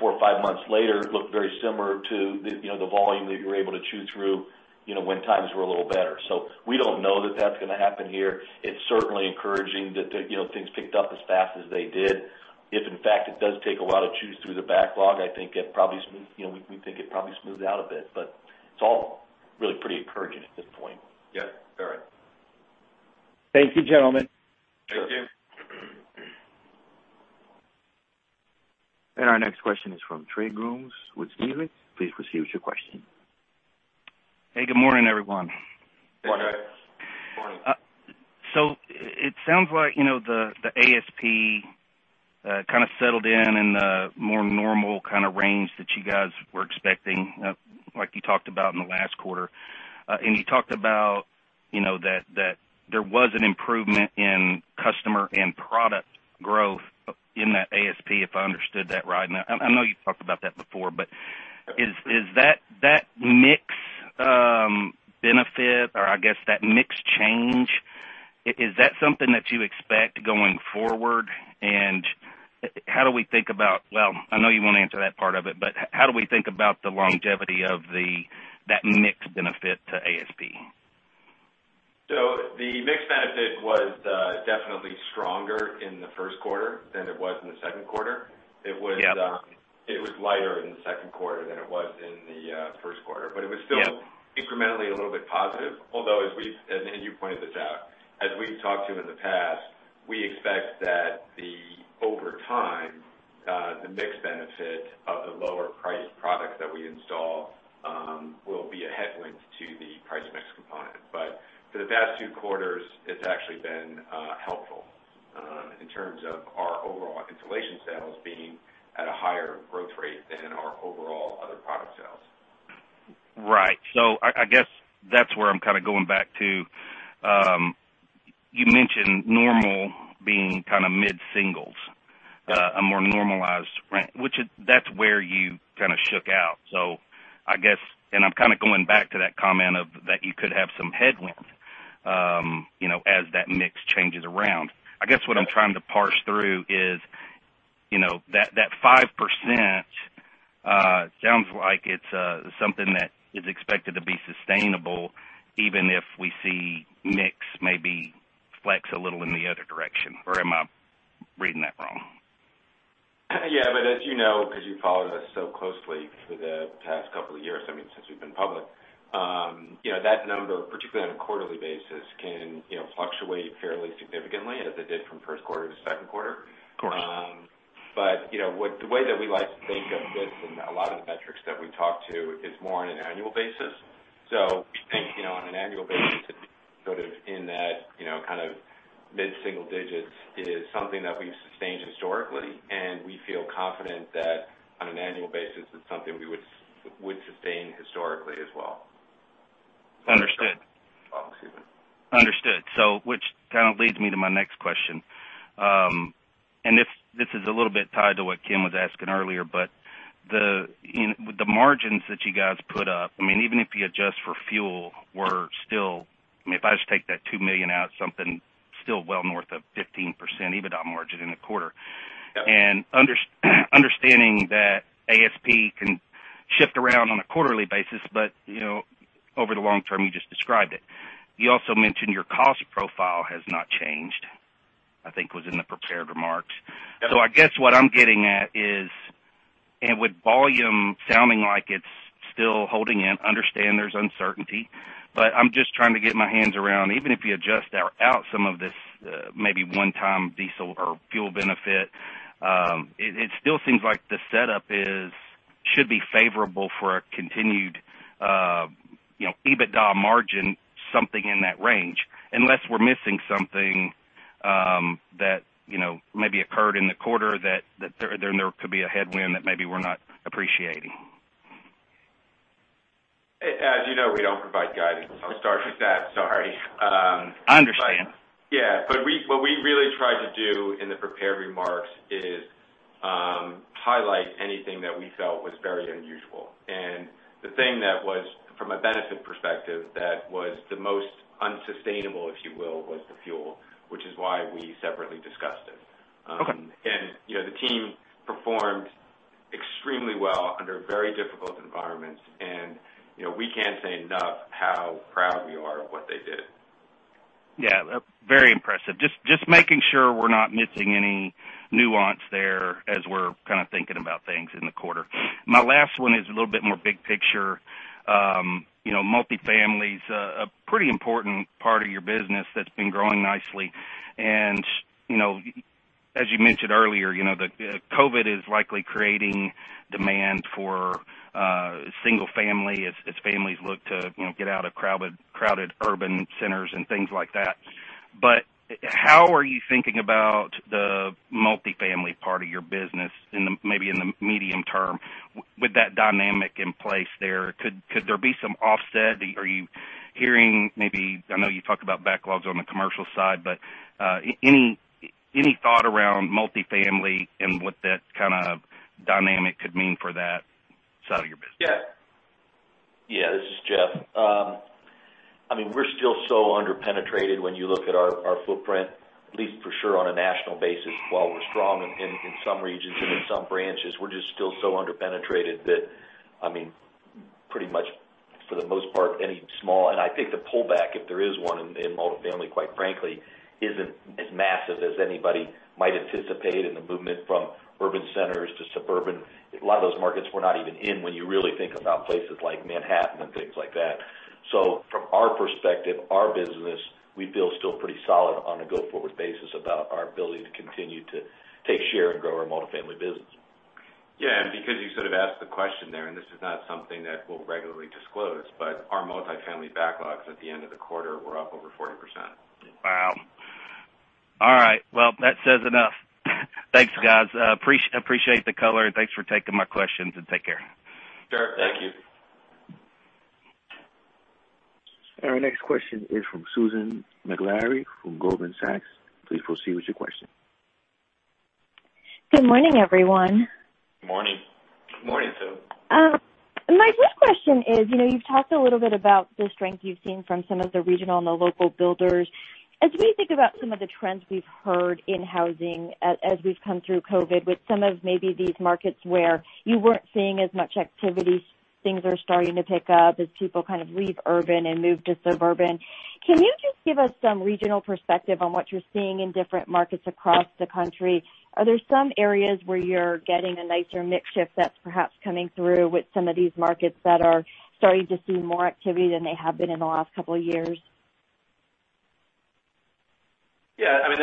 four or five months later looked very similar to the volume that you were able to chew through when times were a little better. So we don't know that that's going to happen here. It's certainly encouraging that things picked up as fast as they did. If, in fact, it does take a while to chew through the backlog, I think we think it probably smoothed out a bit, but it's all really pretty encouraging at this point. Yep. All right. Thank you, gentlemen. Thank you. Our next question is from Trey Grooms with Stephens. Please proceed with your question. Hey. Good morning, everyone. Good morning. So it sounds like the ASP kind of settled in the more normal kind of range that you guys were expecting, like you talked about in the last quarter. You talked about that there was an improvement in customer and product growth in that ASP, if I understood that right. Now, I know you've talked about that before, but is that mix benefit, or I guess that mix change, is that something that you expect going forward? How do we think about well, I know you want to answer that part of it, but how do we think about the longevity of that mix benefit to ASP? The mix benefit was definitely stronger in the first quarter than it was in the second quarter. It was lighter in the second quarter than it was in the first quarter, but it was still incrementally a little bit positive. Although, as you pointed this out, as we've talked to in the past, we expect that over time, the mix benefit of the lower-priced products that we install will be a headwind to the price mix component. But for the past two quarters, it's actually been helpful in terms of our overall insulation sales being at a higher growth rate than our overall other product sales. Right. So I guess that's where I'm kind of going back to. You mentioned normal being kind of mid-singles, a more normalized range, which that's where you kind of shook out. So I guess and I'm kind of going back to that comment that you could have some headwind as that mix changes around. I guess what I'm trying to parse through is that 5% sounds like it's something that is expected to be sustainable even if we see mix maybe flex a little in the other direction. Or am I reading that wrong? Yeah. But as you know, because you've followed us so closely for the past couple of years, I mean, since we've been public, that number, particularly on a quarterly basis, can fluctuate fairly significantly as it did from first quarter to second quarter. But the way that we like to think of this and a lot of the metrics that we talk to is more on an annual basis. So we think on an annual basis, it'd be sort of in that kind of mid-single digits is something that we've sustained historically, and we feel confident that on an annual basis, it's something we would sustain historically as well. Understood. Oh, excuse me. Understood. So which kind of leads me to my next question. And this is a little bit tied to what Ken was asking earlier, but the margins that you guys put up, I mean, even if you adjust for fuel, were still I mean, if I just take that $2 million out, something still well north of 15% EBITDA margin in a quarter. And understanding that ASP can shift around on a quarterly basis, but over the long term, you just described it. You also mentioned your cost profile has not changed, I think, was in the prepared remarks. So I guess what I'm getting at is, and with volume sounding like it's still holding in, understand there's uncertainty. I'm just trying to get my hands around, even if you adjust out some of this maybe one-time diesel or fuel benefit, it still seems like the setup should be favorable for a continued EBITDA margin, something in that range, unless we're missing something that maybe occurred in the quarter that there could be a headwind that maybe we're not appreciating. As you know, we don't provide guidance. I'll start with that. Sorry. I understand. Yeah. But what we really tried to do in the prepared remarks is highlight anything that we felt was very unusual. And the thing that was, from a benefit perspective, that was the most unsustainable, if you will, was the fuel, which is why we separately discussed it. And the team performed extremely well under very difficult environments, and we can't say enough how proud we are of what they did. Yeah. Very impressive. Just making sure we're not missing any nuance there as we're kind of thinking about things in the quarter. My last one is a little bit more big picture. Multifamily is a pretty important part of your business that's been growing nicely. And as you mentioned earlier, COVID is likely creating demand for single-family as families look to get out of crowded urban centers and things like that. But how are you thinking about the multifamily part of your business maybe in the medium term with that dynamic in place there? Could there be some offset? Are you hearing maybe I know you talk about backlogs on the commercial side, but any thought around multifamily and what that kind of dynamic could mean for that side of your business? Yeah. Yeah. This is Jeff. I mean, we're still so underpenetrated when you look at our footprint, at least for sure on a national basis, while we're strong in some regions and in some branches, we're just still so underpenetrated that, I mean, pretty much for the most part, any small and I think the pullback, if there is one in multifamily, quite frankly, isn't as massive as anybody might anticipate in the movement from urban centers to suburban. A lot of those markets we're not even in when you really think about places like Manhattan and things like that. So from our perspective, our business, we feel still pretty solid on a go-forward basis about our ability to continue to take share and grow our multifamily business. Yeah. Because you sort of asked the question there, and this is not something that we'll regularly disclose, but our Multifamily backlogs at the end of the quarter were up over 40%. Wow. All right. Well, that says enough. Thanks, guys. Appreciate the color. Thanks for taking my questions, and take care. Sure. Thank you. Our next question is from Susan Maklari from Goldman Sachs. Please proceed with your question. Good morning, everyone. Good morning. Good morning, team. My first question is, you've talked a little bit about the strength you've seen from some of the regional and the local builders. As we think about some of the trends we've heard in housing as we've come through COVID with some of maybe these markets where you weren't seeing as much activity, things are starting to pick up as people kind of leave urban and move to suburban, can you just give us some regional perspective on what you're seeing in different markets across the country? Are there some areas where you're getting a nicer mix shift that's perhaps coming through with some of these markets that are starting to see more activity than they have been in the last couple of years? Yeah. I mean,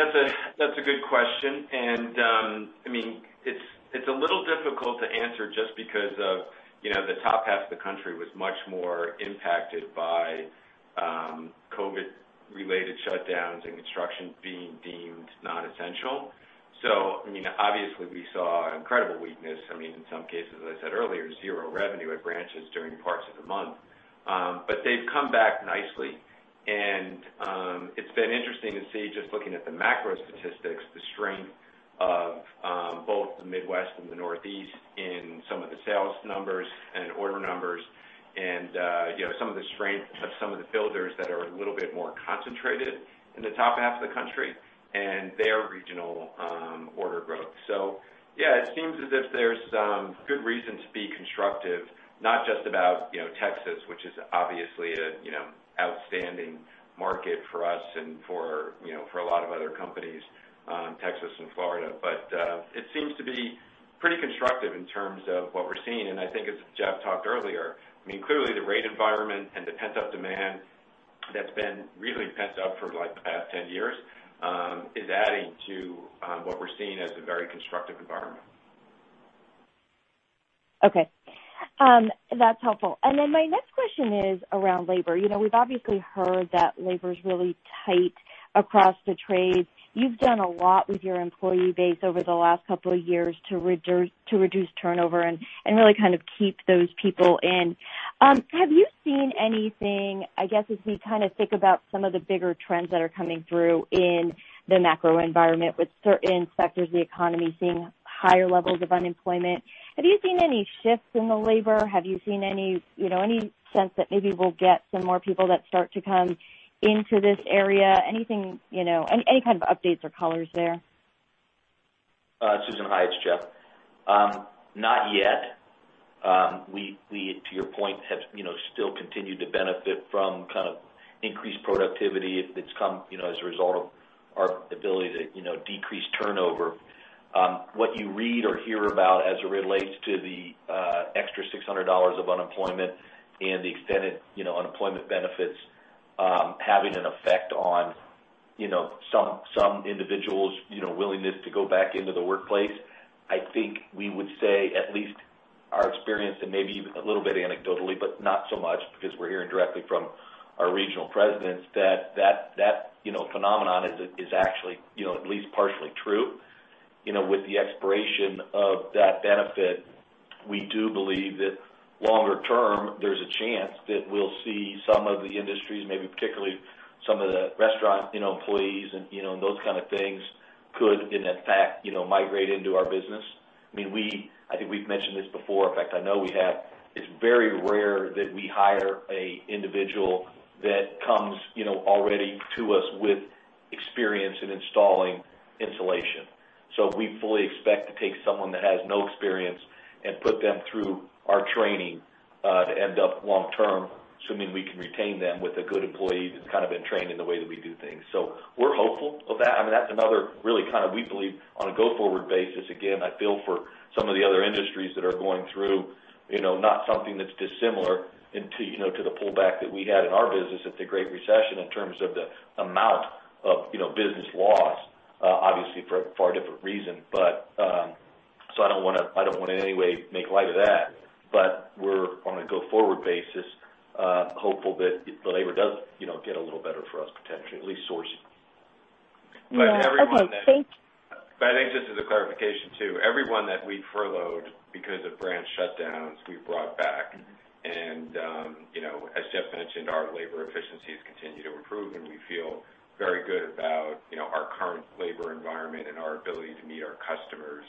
that's a good question. And I mean, it's a little difficult to answer just because the top half of the country was much more impacted by COVID-related shutdowns and construction being deemed nonessential. So I mean, obviously, we saw incredible weakness. I mean, in some cases, as I said earlier, zero revenue at branches during parts of the month. But they've come back nicely. And it's been interesting to see, just looking at the macro statistics, the strength of both the Midwest and the Northeast in some of the sales numbers and order numbers and some of the strength of some of the builders that are a little bit more concentrated in the top half of the country and their regional order growth. So yeah, it seems as if there's good reason to be constructive, not just about Texas, which is obviously an outstanding market for us and for a lot of other companies, Texas and Florida. But it seems to be pretty constructive in terms of what we're seeing. And I think, as Jeff talked earlier, I mean, clearly, the rate environment and the pent-up demand that's been really pent up for the past 10 years is adding to what we're seeing as a very constructive environment. Okay. That's helpful. And then my next question is around labor. We've obviously heard that labor's really tight across the trades. You've done a lot with your employee base over the last couple of years to reduce turnover and really kind of keep those people in. Have you seen anything, I guess, as we kind of think about some of the bigger trends that are coming through in the macro environment with certain sectors of the economy seeing higher levels of unemployment? Have you seen any shifts in the labor? Have you seen any sense that maybe we'll get some more people that start to come into this area? Any kind of updates or colors there? Susan, Hi it's, Jeff. Not yet. We, to your point, have still continued to benefit from kind of increased productivity if it's come as a result of our ability to decrease turnover. What you read or hear about as it relates to the extra $600 of unemployment and the extended unemployment benefits having an effect on some individuals' willingness to go back into the workplace, I think we would say, at least our experience and maybe even a little bit anecdotally, but not so much because we're hearing directly from our regional presidents, that that phenomenon is actually at least partially true. With the expiration of that benefit, we do believe that longer term, there's a chance that we'll see some of the industries, maybe particularly some of the restaurant employees and those kind of things, could, in effect, migrate into our business. I mean, I think we've mentioned this before. In fact, I know we have. It's very rare that we hire an individual that comes already to us with experience in installing insulation. So we fully expect to take someone that has no experience and put them through our training to end up long term, assuming we can retain them with a good employee that's kind of been trained in the way that we do things. So we're hopeful of that. I mean, that's another really kind of we believe, on a go-forward basis, again, I feel for some of the other industries that are going through, not something that's dissimilar to the pullback that we had in our business at the Great Recession in terms of the amount of business loss, obviously, for a different reason. So I don't want to, I don't want to in any way make light of that. But we're, on a go-forward basis, hopeful that the labor does get a little better for us potentially, at least sourcing. But everyone that. Okay. Thank you. But I think just as a clarification too, everyone that we've furloughed because of branch shutdowns, we've brought back. And as Jeff mentioned, our labor efficiencies continue to improve, and we feel very good about our current labor environment and our ability to meet our customers'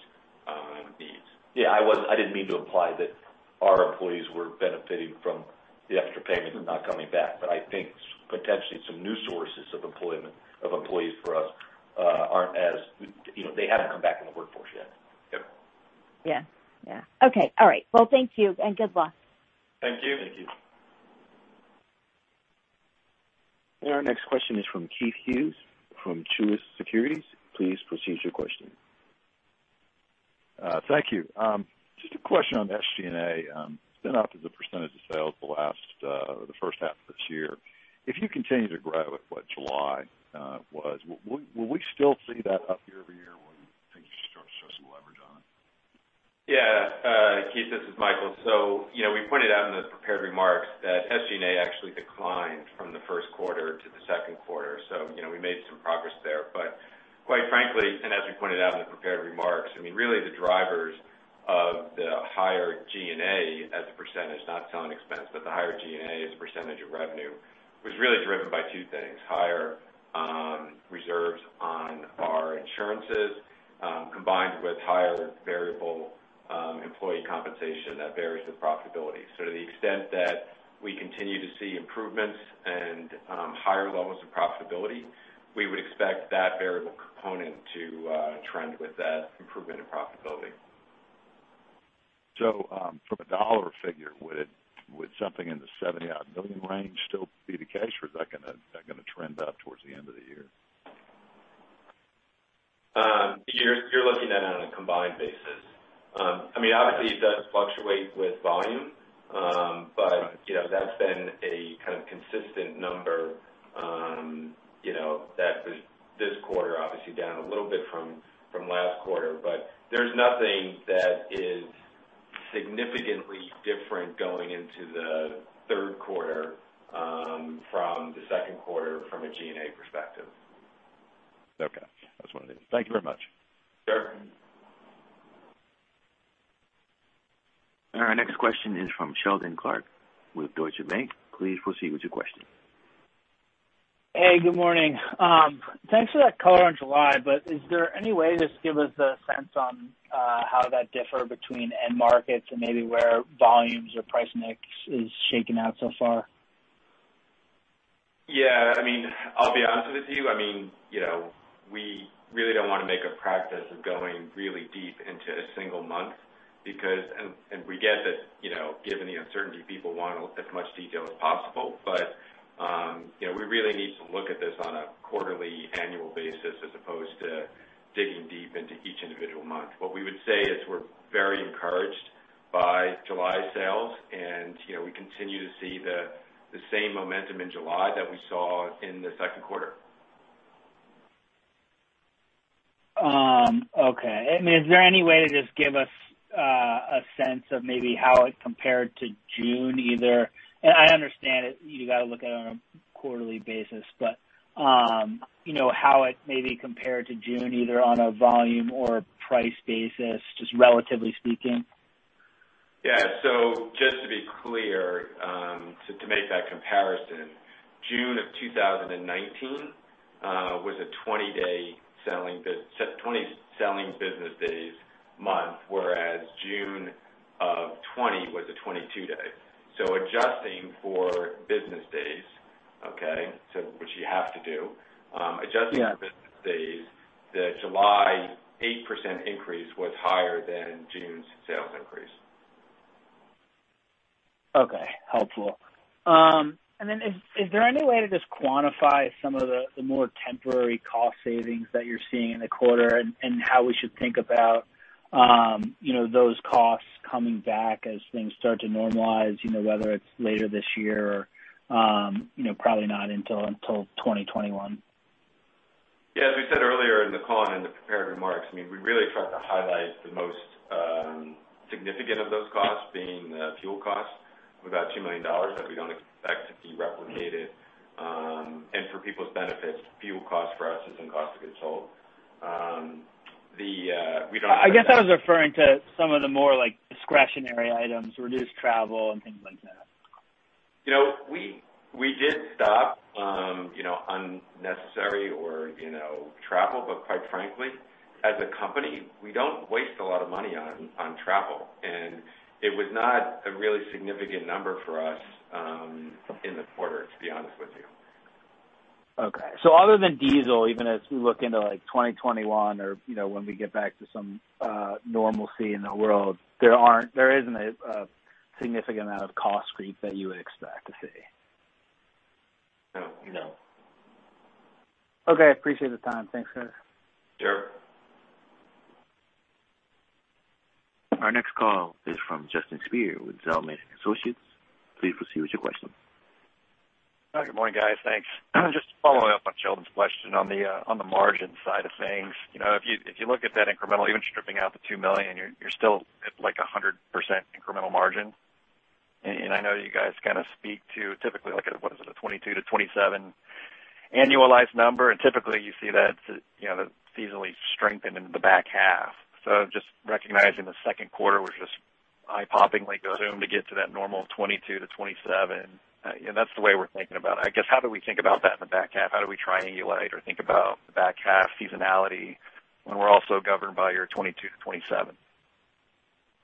needs. Yeah. I didn't mean to imply that our employees were benefiting from the extra payments and not coming back. But I think potentially some new sources of employment of employees for us aren't, as they haven't come back in the workforce yet. Yep. Yeah. Yeah. Okay. All right. Well, thank you, and good luck. Thank you. Thank you. Our next question is from Keith Hughes from Truist Securities. Please proceed with your question. Thank you. Just a question on SG&A. It's been up as a percentage of sales the first half of this year. If you continue to grow at what July was, will we still see that up year over year when things start to show some leverage on it? Yeah. Keith, this is Michael. So we pointed out in the prepared remarks that SG&A actually declined from the first quarter to the second quarter. So we made some progress there. But quite frankly, and as we pointed out in the prepared remarks, I mean, really, the drivers of the higher G&A as a percentage, not selling expense, but the higher G&A as a percentage of revenue was really driven by two things: higher reserves on our insurances combined with higher variable employee compensation that varies with profitability. So to the extent that we continue to see improvements and higher levels of profitability, we would expect that variable component to trend with that improvement in profitability. So from a dollar figure, would something in the $70-odd million range still be the case, or is that going to trend up towards the end of the year? You're looking at it on a combined basis. I mean, obviously, it does fluctuate with volume, but that's been a kind of consistent number that was this quarter, obviously, down a little bit from last quarter. But there's nothing that is significantly different going into the third quarter from the second quarter from a G&A perspective. Okay. That's what it is. Thank you very much. Sure. Our next question is from Seldon Clarke with Deutsche Bank. Please proceed with your question. Hey. Good morning. Thanks for that color on July, but is there any way to just give us a sense on how that differs between end markets and maybe where volumes or price mix is shaking out so far? Yeah. I mean, I'll be honest with you. I mean, we really don't want to make a practice of going really deep into a single month because and we get that, given the uncertainty, people want as much detail as possible. But we really need to look at this on a quarterly, annual basis as opposed to digging deep into each individual month. What we would say is we're very encouraged by July sales, and we continue to see the same momentum in July that we saw in the second quarter. Okay. I mean, is there any way to just give us a sense of maybe how it compared to June either? And I understand you got to look at it on a quarterly basis, but how it maybe compared to June either on a volume or price basis, just relatively speaking? Yeah. So just to be clear, to make that comparison, June of 2019 was a 20-day selling business days month, whereas June of 2020 was a 22-day. So adjusting for business days, okay, which you have to do, adjusting for business days, the July 8% increase was higher than June's sales increase. Okay. Helpful. And then is there any way to just quantify some of the more temporary cost savings that you're seeing in the quarter and how we should think about those costs coming back as things start to normalize, whether it's later this year or probably not until 2021? Yeah. As we said earlier in the call and in the prepared remarks, I mean, we really tried to highlight the most significant of those costs being the fuel costs of about $2 million that we don't expect to be replicated. And for people's benefits, fuel costs for us isn't cost of goods sold. We don't. I guess I was referring to some of the more discretionary items, reduced travel, and things like that. We did stop unnecessary travel, but quite frankly, as a company, we don't waste a lot of money on travel. It was not a really significant number for us in the quarter, to be honest with you. Okay. So other than diesel, even as we look into 2021 or when we get back to some normalcy in the world, there isn't a significant amount of cost creep that you would expect to see? No. No. Okay. Appreciate the time. Thanks, guys. Sure. Our next call is from Justin Speer with Zelman & Associates. Please proceed with your question. Good morning, guys. Thanks. Just following up on Seldon's question on the margin side of things. If you look at that incremental, even stripping out the $2 million, you're still at a 100% incremental margin. And I know you guys kind of speak to typically, what is it, a 22%-27% annualized number. And typically, you see that seasonally strengthen in the back half. So just recognizing the second quarter was just eye-poppingly soon to get to that normal 22%-27%, that's the way we're thinking about it. I guess how do we think about that in the back half? How do we triangulate or think about the back half seasonality when we're also governed by your 22%-27%?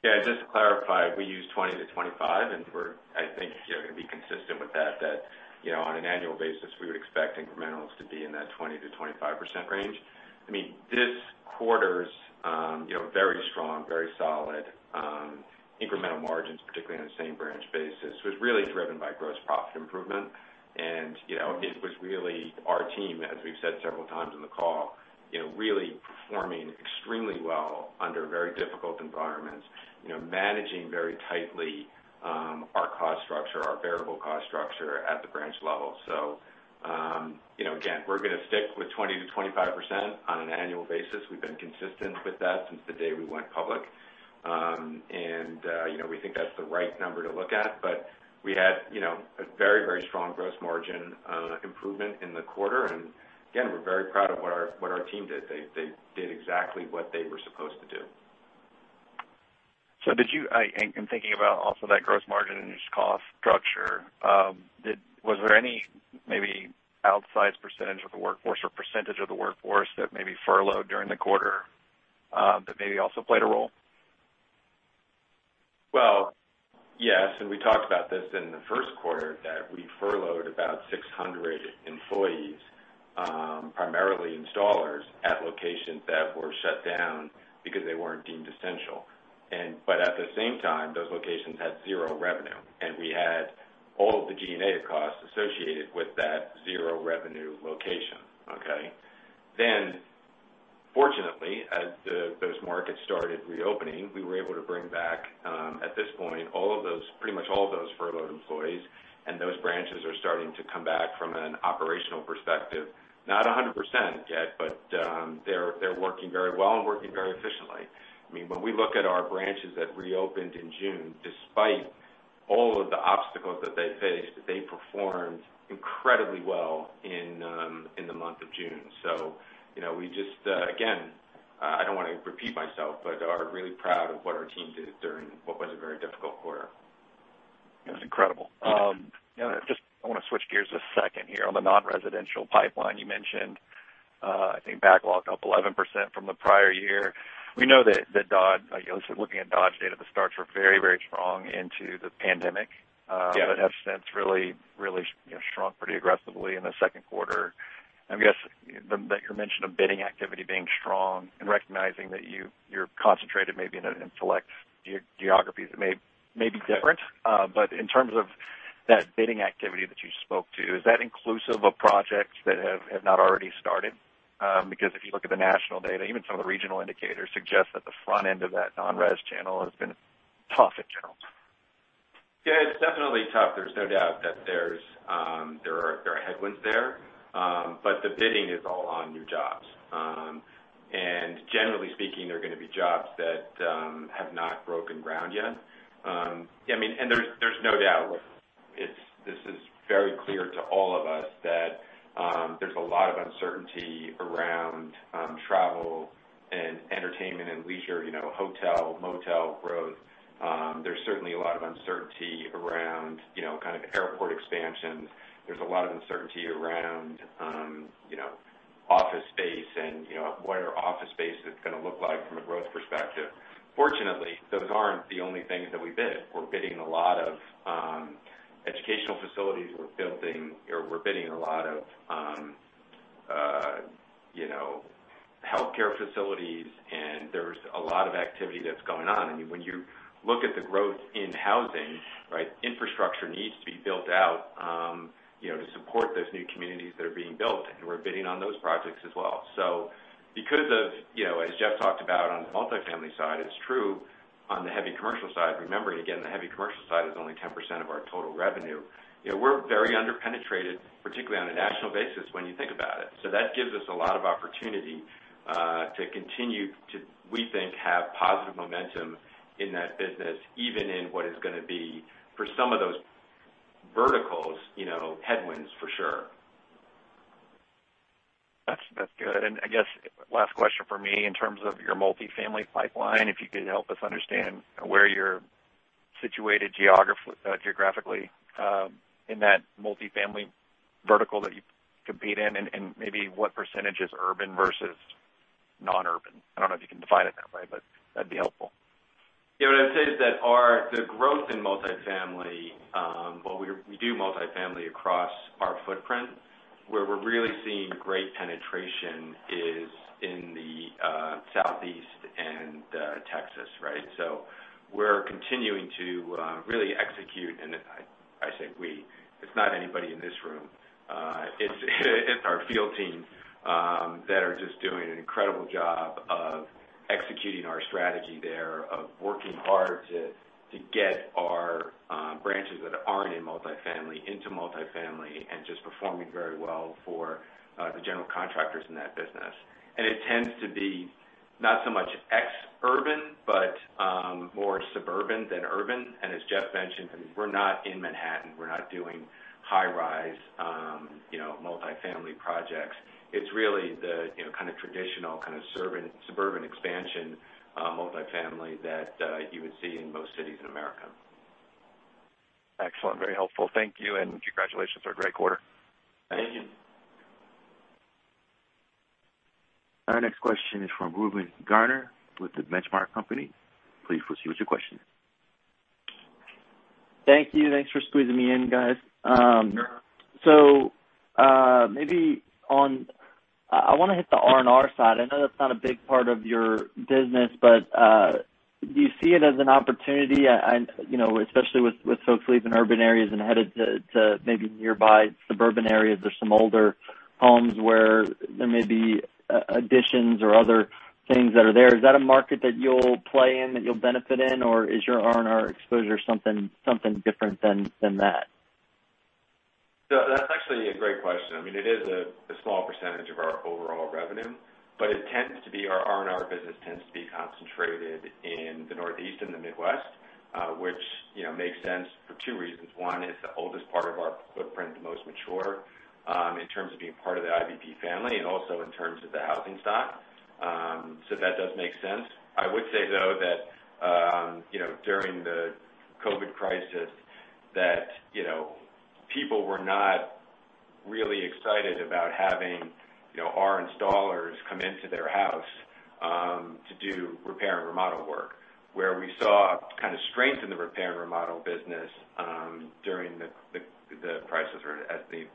Yeah. Just to clarify, we use 20%-25%, and we're, I think, going to be consistent with that, that on an annual basis, we would expect incrementals to be in that 20%-25% range. I mean, this quarter's very strong, very solid incremental margins, particularly on the same branch basis, was really driven by gross profit improvement. And it was really our team, as we've said several times in the call, really performing extremely well under very difficult environments, managing very tightly our cost structure, our variable cost structure at the branch level. So again, we're going to stick with 20%-25% on an annual basis. We've been consistent with that since the day we went public. And we think that's the right number to look at. But we had a very, very strong gross margin improvement in the quarter. And again, we're very proud of what our team did. They did exactly what they were supposed to do. I'm thinking about also that gross margin and just cost structure. Was there any maybe outsized percentage of the workforce or percentage of the workforce that maybe also played a role? Well, yes. We talked about this in the first quarter, that we furloughed about 600 employees, primarily installers, at locations that were shut down because they weren't deemed essential. But at the same time, those locations had zero revenue, and we had all of the G&A costs associated with that zero-revenue location, okay? Then, fortunately, as those markets started reopening, we were able to bring back, at this point, pretty much all of those furloughed employees. Those branches are starting to come back from an operational perspective, not 100% yet, but they're working very well and working very efficiently. I mean, when we look at our branches that reopened in June, despite all of the obstacles that they faced, they performed incredibly well in the month of June. We just, again, I don't want to repeat myself, but are really proud of what our team did during what was a very difficult quarter. That's incredible. I want to switch gears a second here. On the non-residential pipeline, you mentioned, I think, backlog up 11% from the prior year. We know that Dodge, at least looking at Dodge data at the start, were very, very strong into the pandemic but have since really, really shrunk pretty aggressively in the second quarter. I guess that your mention of bidding activity being strong and recognizing that you're concentrated maybe in select geographies that may be different. But in terms of that bidding activity that you spoke to, is that inclusive of projects that have not already started? Because if you look at the national data, even some of the regional indicators suggest that the front end of that non-res channel has been tough in general. Yeah. It's definitely tough. There's no doubt that there are headwinds there. But the bidding is all on new jobs. And generally speaking, they're going to be jobs that have not broken ground yet. I mean, and there's no doubt. This is very clear to all of us that there's a lot of uncertainty around travel and entertainment and leisure, hotel, motel growth. There's certainly a lot of uncertainty around kind of airport expansions. There's a lot of uncertainty around office space and what our office space is going to look like from a growth perspective. Fortunately, those aren't the only things that we bid. We're bidding a lot of educational facilities. We're building or we're bidding a lot of healthcare facilities, and there's a lot of activity that's going on. I mean, when you look at the growth in housing, right, infrastructure needs to be built out to support those new communities that are being built, and we're bidding on those projects as well. So because of, as Jeff talked about on the Multifamily side, it's true on the Heavy Commercial side, remembering, again, the Heavy Commercial side is only 10% of our total revenue, we're very underpenetrated, particularly on a national basis when you think about it. So that gives us a lot of opportunity to continue to, we think, have positive momentum in that business, even in what is going to be, for some of those verticals, headwinds for sure. That's good. I guess last question for me in terms of your multifamily pipeline, if you could help us understand where you're situated geographically in that multifamily vertical that you compete in and maybe what percentage is urban versus non-urban. I don't know if you can define it that way, but that'd be helpful. Yeah. What I would say is that the growth in multifamily. Well, we do multifamily across our footprint. Where we're really seeing great penetration is in the Southeast and Texas, right? So we're continuing to really execute, and I say we. It's not anybody in this room. It's our field teams that are just doing an incredible job of executing our strategy there of working hard to get our branches that aren't in multifamily into multifamily and just performing very well for the general contractors in that business. And it tends to be not so much ex-urban but more suburban than urban. And as Jeff mentioned, I mean, we're not in Manhattan. We're not doing high-rise multifamily projects. It's really the kind of traditional kind of suburban expansion multifamily that you would see in most cities in America. Excellent. Very helpful. Thank you, and congratulations on a great quarter. Thank you. Our next question is from Reuben Garner with The Benchmark Company. Please proceed with your question. Thank you. Thanks for squeezing me in, guys. So maybe on I want to hit the R&R side. I know that's not a big part of your business, but do you see it as an opportunity, especially with folks leaving urban areas and headed to maybe nearby suburban areas or some older homes where there may be additions or other things that are there? Is that a market that you'll play in, that you'll benefit in, or is your R&R exposure something different than that? So that's actually a great question. I mean, it is a small percentage of our overall revenue, but it tends to be our R&R business concentrated in the Northeast and the Midwest, which makes sense for two reasons. One is the oldest part of our footprint, the most mature, in terms of being part of the IBP family and also in terms of the housing stock. So that does make sense. I would say, though, that during the COVID crisis, that people were not really excited about having our installers come into their house to do repair and remodel work. Where we saw kind of strength in the repair and remodel business during the crisis or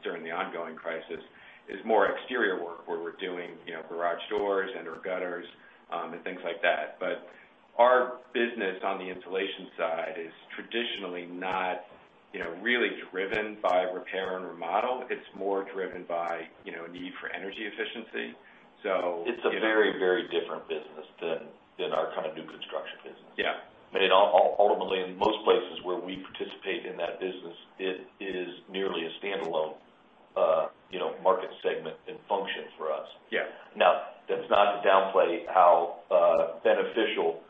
during the ongoing crisis is more exterior work where we're doing garage doors and/or gutters and things like that. But our business on the insulation side is traditionally not really driven by repair and remodel. It's more driven by a need for energy efficiency, so. It's a very, very different business than our kind of new construction business. I mean, ultimately, in most places where we participate in that business, it is nearly a standalone market segment and function for us. Now, that's not to downplay how beneficial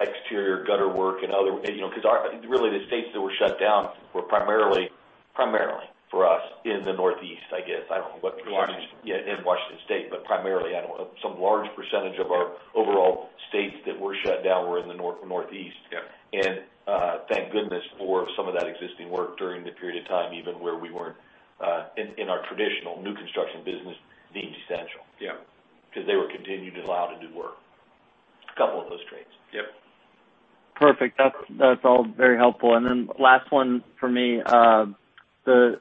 exterior gutter work and other because really, the states that were shut down were primarily, primarily for us in the Northeast, I guess. I don't know what percentage. Washington. Yeah. In Washington State. But primarily, I don't know. Some large percentage of our overall states that were shut down were in the Northeast. And thank goodness for some of that existing work during the period of time, even where we weren't in our traditional new construction business deemed essential because they were continued to allow to do work, a couple of those trades. Yep. Perfect. That's all very helpful. And then last one for me, the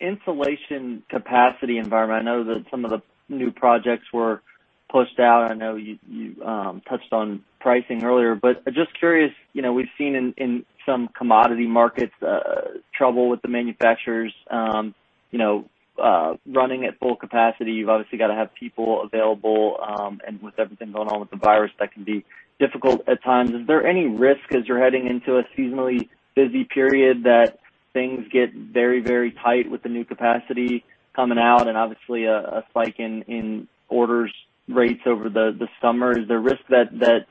insulation capacity environment. I know that some of the new projects were pushed out. I know you touched on pricing earlier, but just curious, we've seen in some commodity markets trouble with the manufacturers running at full capacity. You've obviously got to have people available. And with everything going on with the virus, that can be difficult at times. Is there any risk, as you're heading into a seasonally busy period, that things get very, very tight with the new capacity coming out and obviously a spike in orders rates over the summer? Is there risk that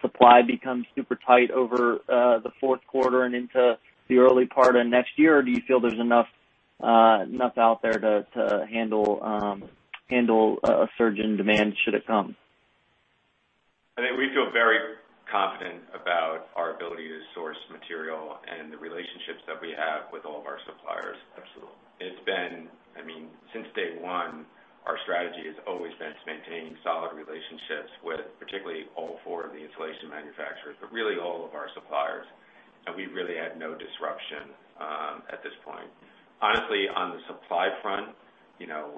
supply becomes super tight over the fourth quarter and into the early part of next year, or do you feel there's enough out there to handle a surge in demand should it come? I think we feel very confident about our ability to source material and the relationships that we have with all of our suppliers. I mean, since day one, our strategy has always been to maintain solid relationships with particularly all four of the insulation manufacturers, but really all of our suppliers. And we really had no disruption at this point. Honestly, on the supply front, as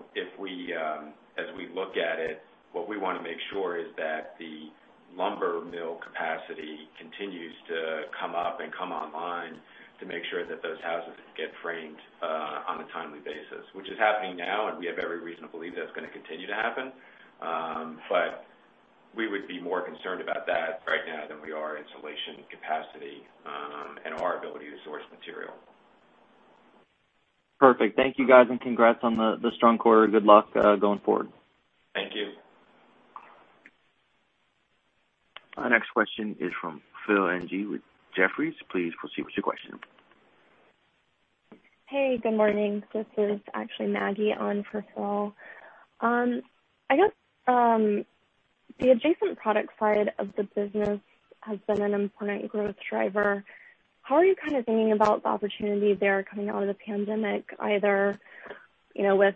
we look at it, what we want to make sure is that the lumber mill capacity continues to come up and come online to make sure that those houses get framed on a timely basis, which is happening now, and we have every reason to believe that's going to continue to happen. But we would be more concerned about that right now than we are insulation capacity and our ability to source material. Perfect. Thank you, guys, and congrats on the strong quarter. Good luck going forward. Thank you. Our next question is from Phil Ng with Jefferies. Please proceed with your question. Hey. Good morning. This is actually Maggie on for Phil. I guess the adjacent product side of the business has been an important growth driver. How are you kind of thinking about the opportunity there coming out of the pandemic, either with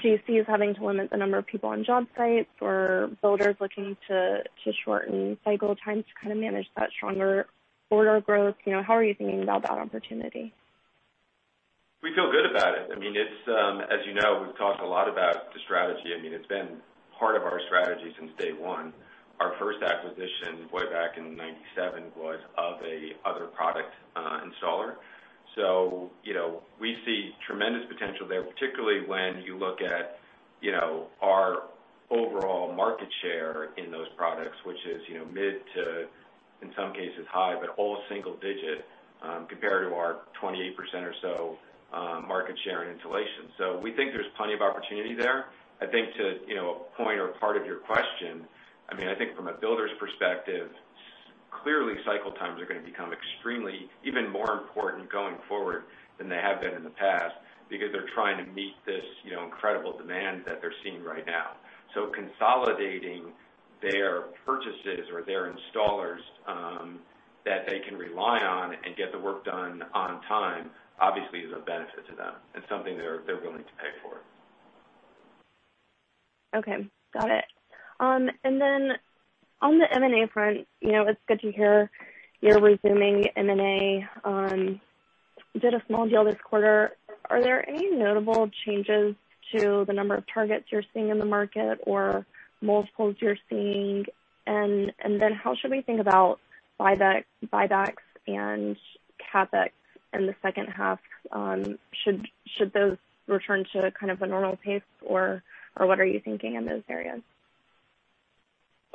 GCs having to limit the number of people on job sites or builders looking to shorten cycle times to kind of manage that stronger order growth? How are you thinking about that opportunity? We feel good about it. I mean, as you know, we've talked a lot about the strategy. I mean, it's been part of our strategy since day one. Our first acquisition way back in 1997 was of another product installer. So we see tremendous potential there, particularly when you look at our overall market share in those products, which is mid to, in some cases, high, but all single-digit compared to our 28% or so market share in insulation. So we think there's plenty of opportunity there. I think to a point or part of your question, I mean, I think from a builder's perspective, clearly, cycle times are going to become extremely even more important going forward than they have been in the past because they're trying to meet this incredible demand that they're seeing right now. Consolidating their purchases or their installers that they can rely on and get the work done on time, obviously, is a benefit to them and something they're willing to pay for. Okay. Got it. And then on the M&A front, it's good to hear you're resuming M&A. You did a small deal this quarter. Are there any notable changes to the number of targets you're seeing in the market or multiples you're seeing? And then how should we think about buybacks and CapEx in the second half? Should those return to kind of a normal pace, or what are you thinking in those areas?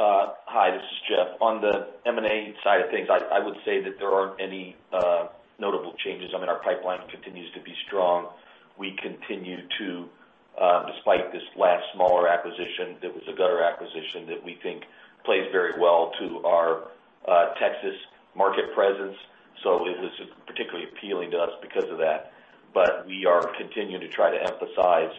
Hi. This is Jeff. On the M&A side of things, I would say that there aren't any notable changes. I mean, our pipeline continues to be strong. We continue to, despite this last smaller acquisition that was a gutter acquisition that we think plays very well to our Texas market presence. So it was particularly appealing to us because of that. But we are continuing to try to emphasize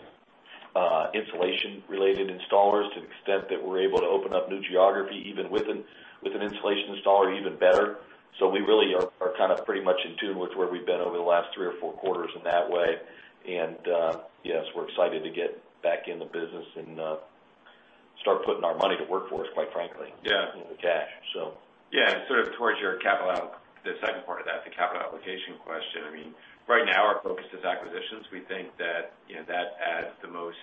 insulation-related installers to the extent that we're able to open up new geography, even with an insulation installer, even better. So we really are kind of pretty much in tune with where we've been over the last three or four quarters in that way. And yes, we're excited to get back in the business and start putting our money to work for us, quite frankly, in the cash, so. Yeah. Sort of towards your capital outlay, the second part of that, the capital allocation question, I mean, right now, our focus is acquisitions. We think that that adds the most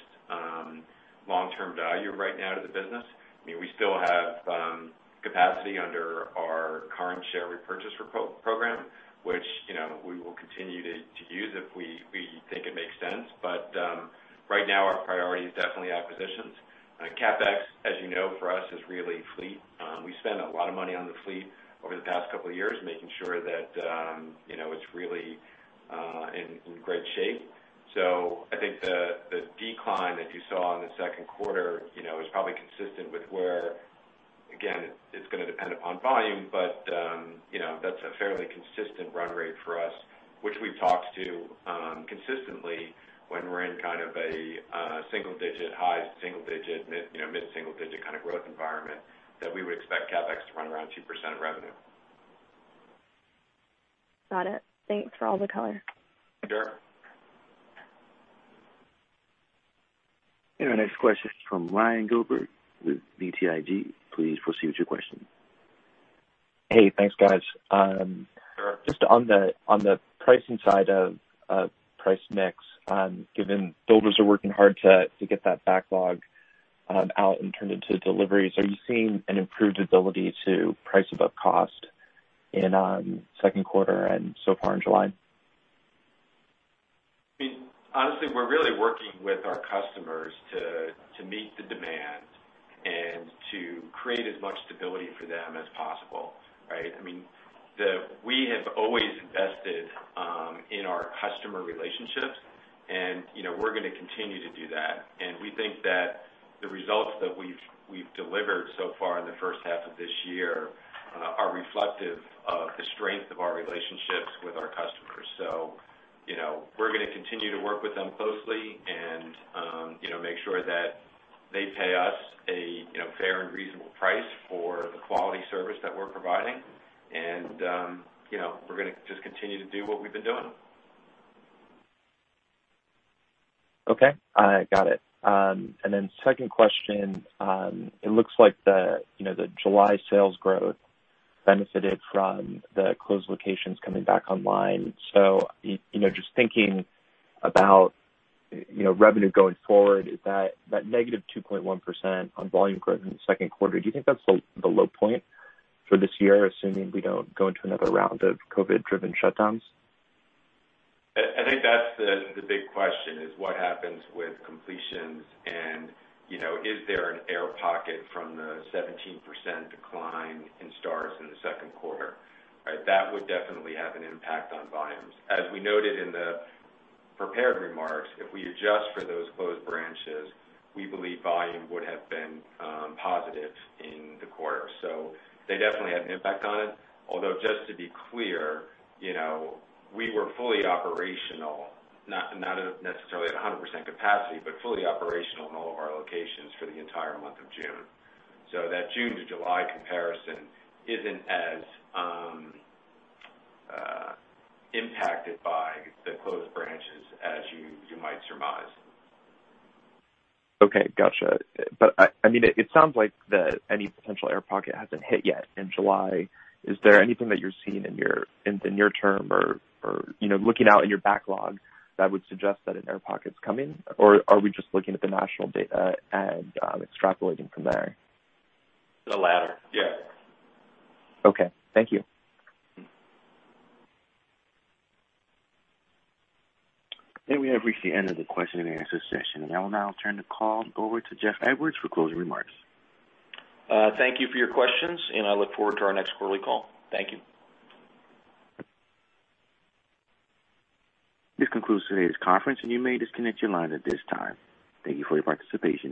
long-term value right now to the business. I mean, we still have capacity under our current share repurchase program, which we will continue to use if we think it makes sense. But right now, our priority is definitely acquisitions. CapEx, as you know, for us is really fleet. We spend a lot of money on the fleet over the past couple of years, making sure that it's really in great shape. I think the decline that you saw in the second quarter is probably consistent with where, again, it's going to depend upon volume, but that's a fairly consistent run rate for us, which we've talked to consistently when we're in kind of a single-digit high, single-digit, mid-single-digit kind of growth environment that we would expect CapEx to run around 2% revenue. Got it. Thanks for all the color. Sure. Next question is from Ryan Gilbert with BTIG. Please proceed with your question. Hey. Thanks, guys. Just on the pricing side of price mix, given builders are working hard to get that backlog out and turn it to deliveries, are you seeing an improved ability to price above cost in second quarter and so far in July? I mean, honestly, we're really working with our customers to meet the demand and to create as much stability for them as possible, right? I mean, we have always invested in our customer relationships, and we're going to continue to do that. We think that the results that we've delivered so far in the first half of this year are reflective of the strength of our relationships with our customers. We're going to continue to work with them closely and make sure that they pay us a fair and reasonable price for the quality service that we're providing. We're going to just continue to do what we've been doing. Okay. Got it. And then second question, it looks like the July sales growth benefited from the closed locations coming back online. So just thinking about revenue going forward, is that -2.1% on volume growth in the second quarter? Do you think that's the low point for this year, assuming we don't go into another round of COVID-driven shutdowns? I think that's the big question, is what happens with completions, and is there an air pocket from the 17% decline in starts in the second quarter, right? That would definitely have an impact on volumes. As we noted in the prepared remarks, if we adjust for those closed branches, we believe volume would have been positive in the quarter. So they definitely had an impact on it. Although, just to be clear, we were fully operational, not necessarily at 100% capacity, but fully operational in all of our locations for the entire month of June. So that June to July comparison isn't as impacted by the closed branches as you might surmise. Okay. Gotcha. But I mean, it sounds like any potential air pocket hasn't hit yet in July. Is there anything that you're seeing in your term or looking out in your backlog that would suggest that an air pocket's coming, or are we just looking at the national data and extrapolating from there? The latter. Yeah. Okay. Thank you. We have reached the end of the question-and-answer session. I will now turn the call over to Jeff Edwards for closing remarks. Thank you for your questions, and I look forward to our next quarterly call. Thank you. This concludes today's conference, and you may disconnect your line at this time. Thank you for your participation.